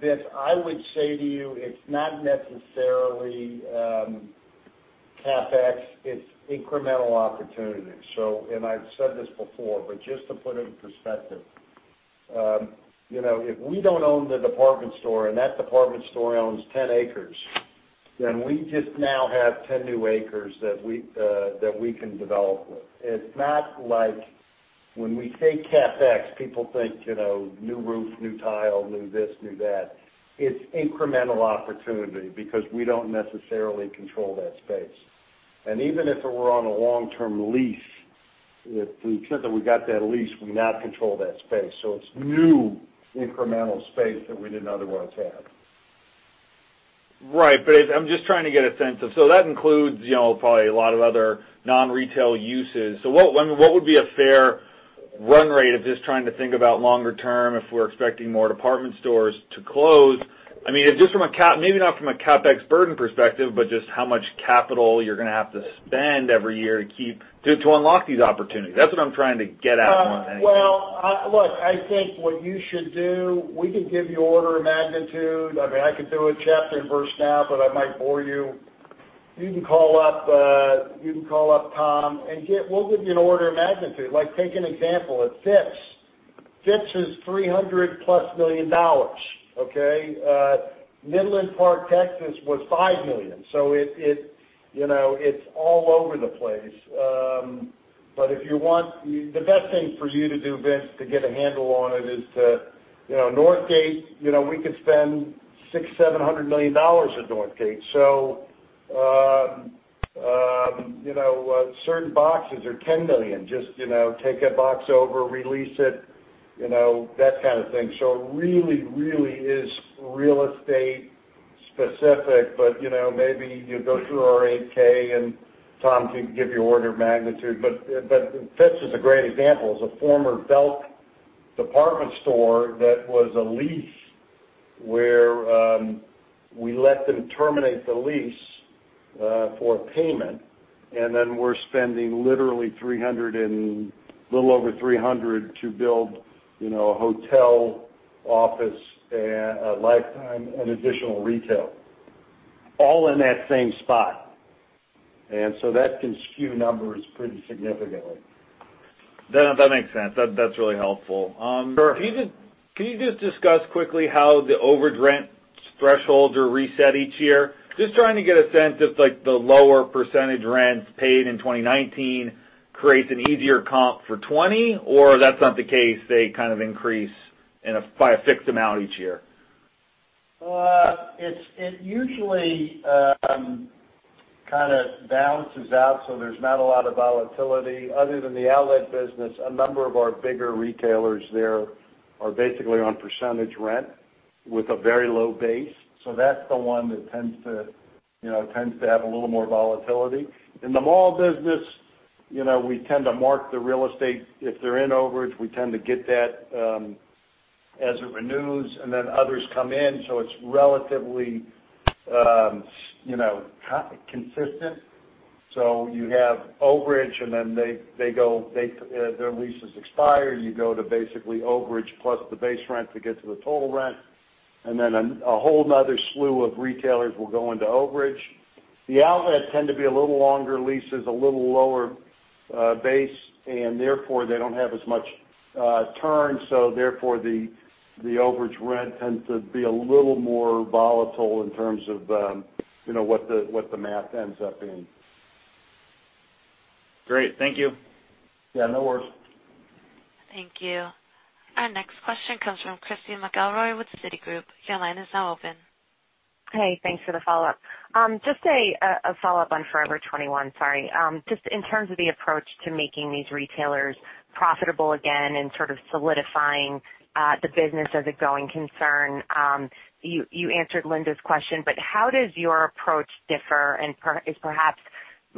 Vince, I would say to you, it's not necessarily CapEx, it's incremental opportunity. I've said this before, but just to put it in perspective. If we don't own the department store and that department store owns 10 acres, we just now have 10 new acres that we can develop with. It's not like when we say CapEx, people think, new roof, new tile, new this, new that. It's incremental opportunity because we don't necessarily control that space. Even if it were on a long-term lease, to the extent that we got that lease, we now control that space. It's new incremental space that we didn't otherwise have. Right. I'm just trying to get a sense of. That includes, probably a lot of other non-retail uses. What would be a fair run rate of just trying to think about longer term if we're expecting more department stores to close? Maybe not from a CapEx burden perspective, but just how much capital you're going to have to spend every year to unlock these opportunities. That's what I'm trying to get at more than anything. Well, look, I think what you should do, we can give you order of magnitude. I could do a chapter and verse now, I might bore you. You can call up Tom, we'll give you an order of magnitude. Like, take an example at Phipps. Phipps is $300 million plus. Okay? Midland Park, Texas, was $5 million. It's all over the place. The best thing for you to do, Vince, to get a handle on it. Northgate, we could spend $600 million-$700 million at Northgate. Certain boxes are $10 million. Just take a box over, release it, that kind of thing. It really is real estate specific, maybe you go through our 8-K and Tom can give you order of magnitude. Phipps is a great example as a former Belk department store that was a lease where we let them terminate the lease for a payment, then we're spending literally little over $300 to build a hotel office and a Life Time and additional retail, all in that same spot. That can skew numbers pretty significantly. That makes sense. That's really helpful. Sure. Can you just discuss quickly how the overage rent thresholds are reset each year? Just trying to get a sense if the lower percentage rents paid in 2019 creates an easier comp for 2020, or that's not the case, they kind of increase by a fixed amount each year. It usually kind of balances out, so there's not a lot of volatility. Other than the outlet business, a number of our bigger retailers there are basically on percentage rent with a very low base. That's the one that tends to have a little more volatility. In the mall business, we tend to mark the real estate. If they're in overage, we tend to get that as it renews, and then others come in. It's relatively consistent. You have overage, and then their leases expire. You go to basically overage plus the base rent to get to the total rent. Then a whole other slew of retailers will go into overage. The outlet tend to be a little longer leases, a little lower base, and therefore they don't have as much turn. Therefore the overage rent tends to be a little more volatile in terms of what the math ends up being. Great. Thank you. Yeah, no worries. Thank you. Our next question comes from Christy McElroy with Citigroup. Your line is now open. Hey, thanks for the follow-up. Just a follow-up on Forever 21, sorry. In terms of the approach to making these retailers profitable again and sort of solidifying the business as a going concern. You answered Linda's question, how does your approach differ and is perhaps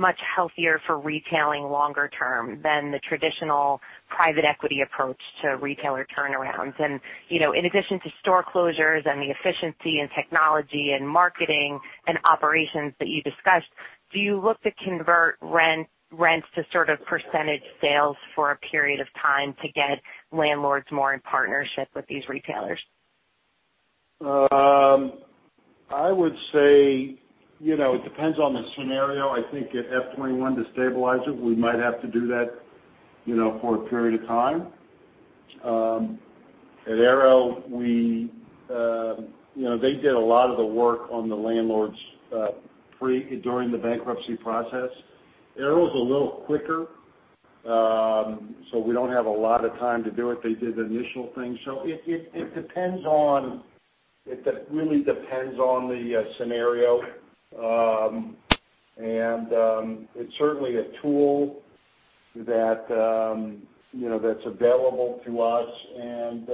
much healthier for retailing longer term than the traditional private equity approach to retailer turnarounds? In addition to store closures and the efficiency in technology and marketing and operations that you discussed, do you look to convert rents to sort of percentage sales for a period of time to get landlords more in partnership with these retailers? I would say, it depends on the scenario. I think at F21 to stabilize it, we might have to do that for a period of time. At Aéropostale, they did a lot of the work on the landlords during the bankruptcy process. Aéropostale's a little quicker, so we don't have a lot of time to do it. They did the initial thing. It really depends on the scenario. It's certainly a tool that's available to us and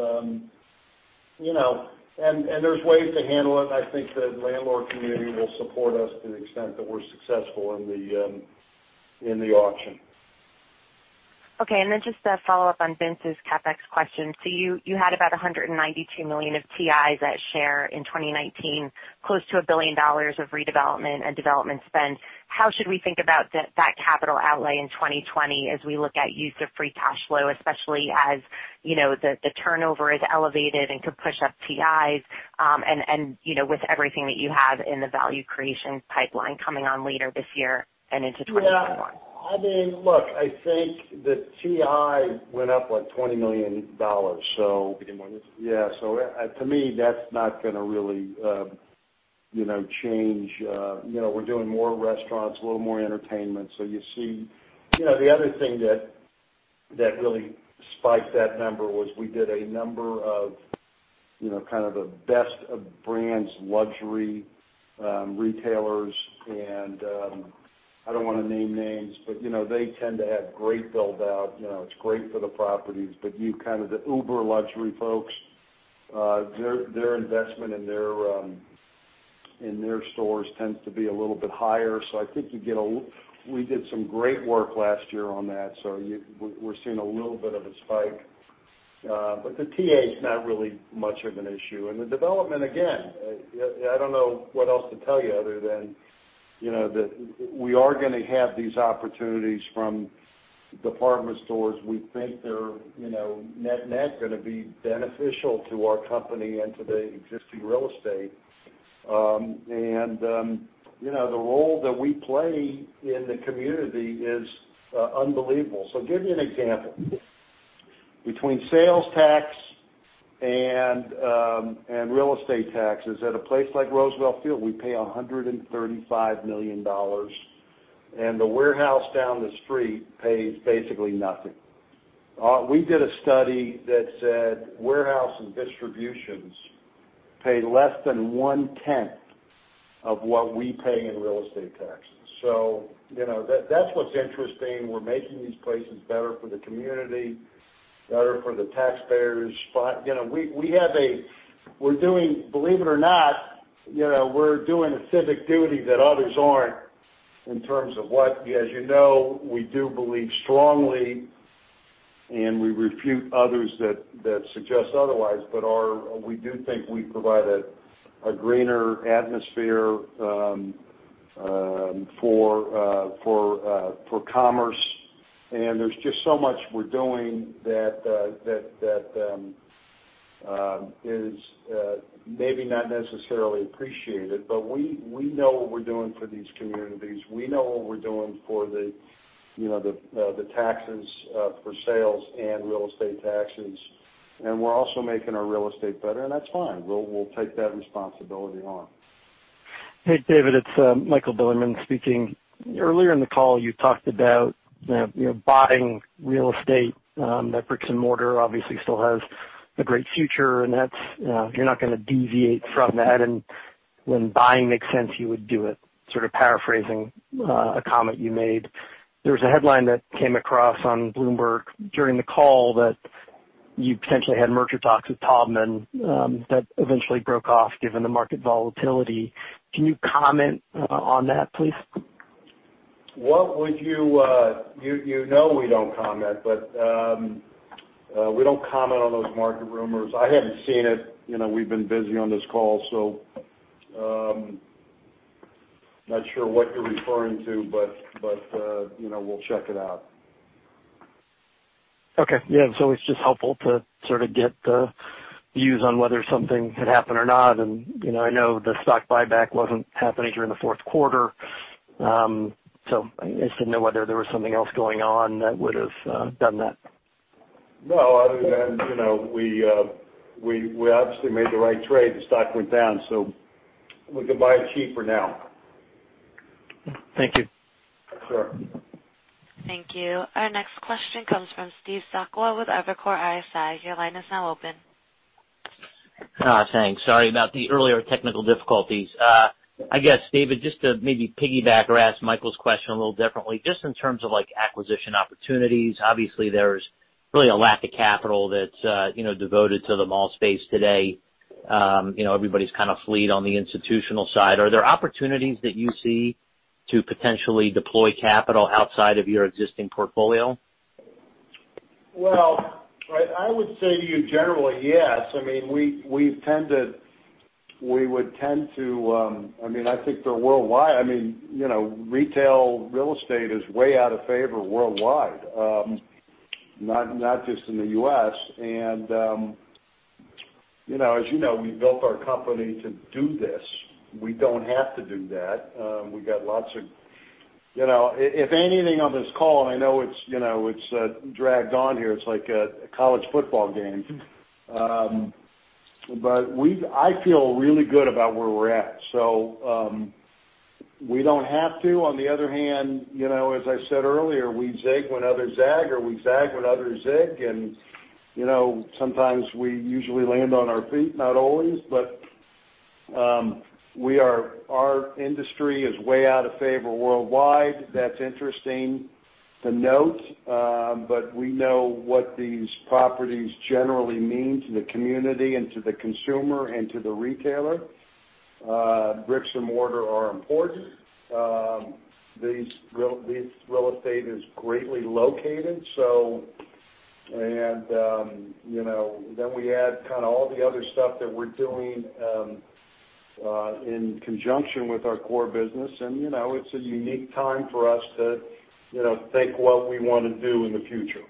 there's ways to handle it, and I think the landlord community will support us to the extent that we're successful in the auction. Okay. Just a follow-up on Vince's CapEx question. You had about $192 million of TIs at Share in 2019, close to $1 billion of redevelopment and development spend. How should we think about that capital outlay in 2020 as we look at use of free cash flow, especially as the turnover is elevated and could push up TIs, and with everything that you have in the value creation pipeline coming on later this year and into 2021? Look, I think the TI went up like $20 million. Billion dollars. Yeah. To me, that's not going to really change. We're doing more restaurants, a little more entertainment. The other thing that really spiked that number was we did a number of kind of the best of brands, luxury retailers, and I don't want to name names, but they tend to have great build-out. It's great for the properties, but the uber-luxury folks, their investment in their stores tends to be a little bit higher. I think we did some great work last year on that, so we're seeing a little bit of a spike. The TI is not really much of an issue. The development, again, I don't know what else to tell you other than that we are going to have these opportunities from department stores. We think they're, net-net, going to be beneficial to our company and to the existing real estate. The role that we play in the community is unbelievable. I'll give you an example. Between sales tax and real estate taxes at a place like Roosevelt Field, we pay $135 million, and the warehouse down the street pays basically nothing. We did a study that said warehouse and distributions pay less than one-tenth of what we pay in real estate taxes. That's what's interesting. We're making these places better for the community, better for the taxpayers. Believe it or not, we're doing a civic duty that others aren't in terms of what, as you know, we do believe strongly, and we refute others that suggest otherwise, but we do think we provide a greener atmosphere for commerce, and there's just so much we're doing that is maybe not necessarily appreciated, but we know what we're doing for these communities. We know what we're doing for the taxes for sales and real estate taxes, and we're also making our real estate better, and that's fine. We'll take that responsibility on. Hey, David, it's Michael Bilerman speaking. Earlier in the call, you talked about buying real estate, that bricks and mortar obviously still has a great future, and you're not going to deviate from that, when buying makes sense, you would do it. Sort of paraphrasing a comment you made. There was a headline that came across on Bloomberg during the call that you potentially had merger talks with Taubman that eventually broke off given the market volatility. Can you comment on that, please? You know we don't comment. We don't comment on those market rumors. I haven't seen it. We've been busy on this call, so I'm not sure what you're referring to, but we'll check it out. Okay. Yeah. It's always just helpful to sort of get the views on whether something had happened or not. I know the stock buyback wasn't happening during the fourth quarter. I just didn't know whether there was something else going on that would've done that. No, other than we obviously made the right trade. The stock went down, so we could buy cheaper now. Thank you. Sure. Thank you. Our next question comes from Steve Sakwa with Evercore ISI. Your line is now open. Thanks. Sorry about the earlier technical difficulties. I guess, David, just to maybe piggyback or ask Michael's question a little differently. In terms of acquisition opportunities, obviously, there's really a lack of capital that's devoted to the mall space today. Everybody's kind of leery on the institutional side. Are there opportunities that you see to potentially deploy capital outside of your existing portfolio? Well, I would say to you generally, yes. I think they're worldwide. Retail real estate is way out of favor worldwide, not just in the U.S. As you know, we built our company to do this. We don't have to do that. If anything on this call, and I know it's dragged on here, it's like a college football game, but I feel really good about where we're at. We don't have to. On the other hand, as I said earlier, we zig when others zag, or we zag when others zig, and sometimes we usually land on our feet, not always. Our industry is way out of favor worldwide. That's interesting to note. We know what these properties generally mean to the community and to the consumer and to the retailer. Bricks and mortar are important. This real estate is greatly located. We add kind of all the other stuff that we're doing in conjunction with our core business, and it's a unique time for us to think what we want to do in the future.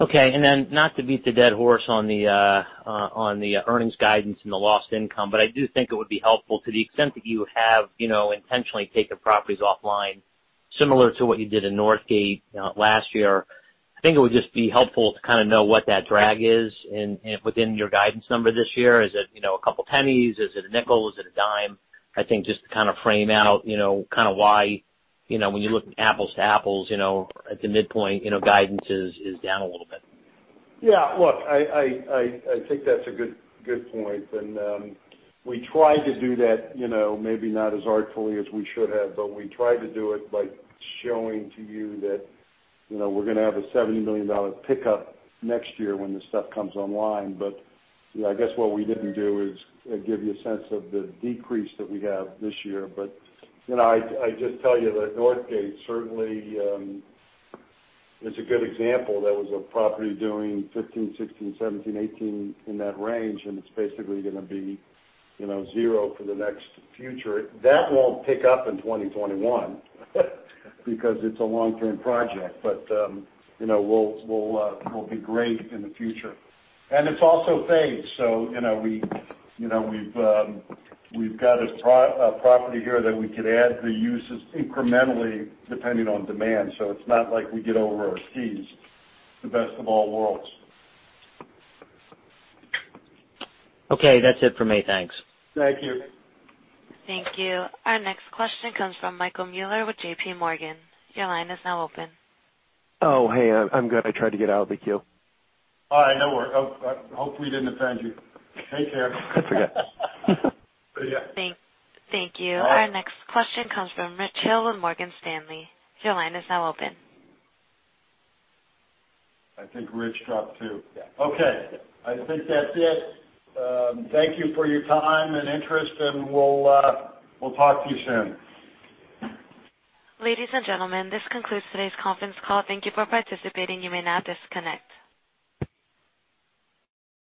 Okay. not to beat the dead horse on the earnings guidance and the lost income, but I do think it would be helpful to the extent that you have intentionally taken properties offline similar to what you did in Northgate last year. I think it would just be helpful to kind of know what that drag is within your guidance number this year. Is it a couple pennies? Is it $0.05? Is it $0.10? I think just to kind of frame out why when you look apples to apples at the midpoint, guidance is down a little bit. Yeah. Look, I think that's a good point, and we tried to do that maybe not as artfully as we should have, but we tried to do it by showing to you that we're going to have a $70 million pickup next year when this stuff comes online. I guess what we didn't do is give you a sense of the decrease that we have this year. I just tell you that Northgate certainly is a good example. That was a property doing 15, 16, 17, 18 in that range, and it's basically going to be zero for the next future. That won't pick up in 2021 because it's a long-term project. We'll be great in the future. It's also phased, so we've got a property here that we could add the uses incrementally depending on demand. It's not like we get over our skis, the best of all worlds. Okay. That's it for me. Thanks. Thank you. Thank you. Our next question comes from Michael Mueller with JPMorgan. Your line is now open. Oh, hey. I'm good. I tried to get out of the queue. All right. No worries. Hope we didn't offend you. Take care. That's okay. See ya. Thank you. Our next question comes from Rich Hill with Morgan Stanley. Your line is now open. I think Rich dropped, too. Yeah. Okay. I think that's it. Thank you for your time and interest. We'll talk to you soon. Ladies and gentlemen, this concludes today's conference call. Thank you for participating. You may now disconnect.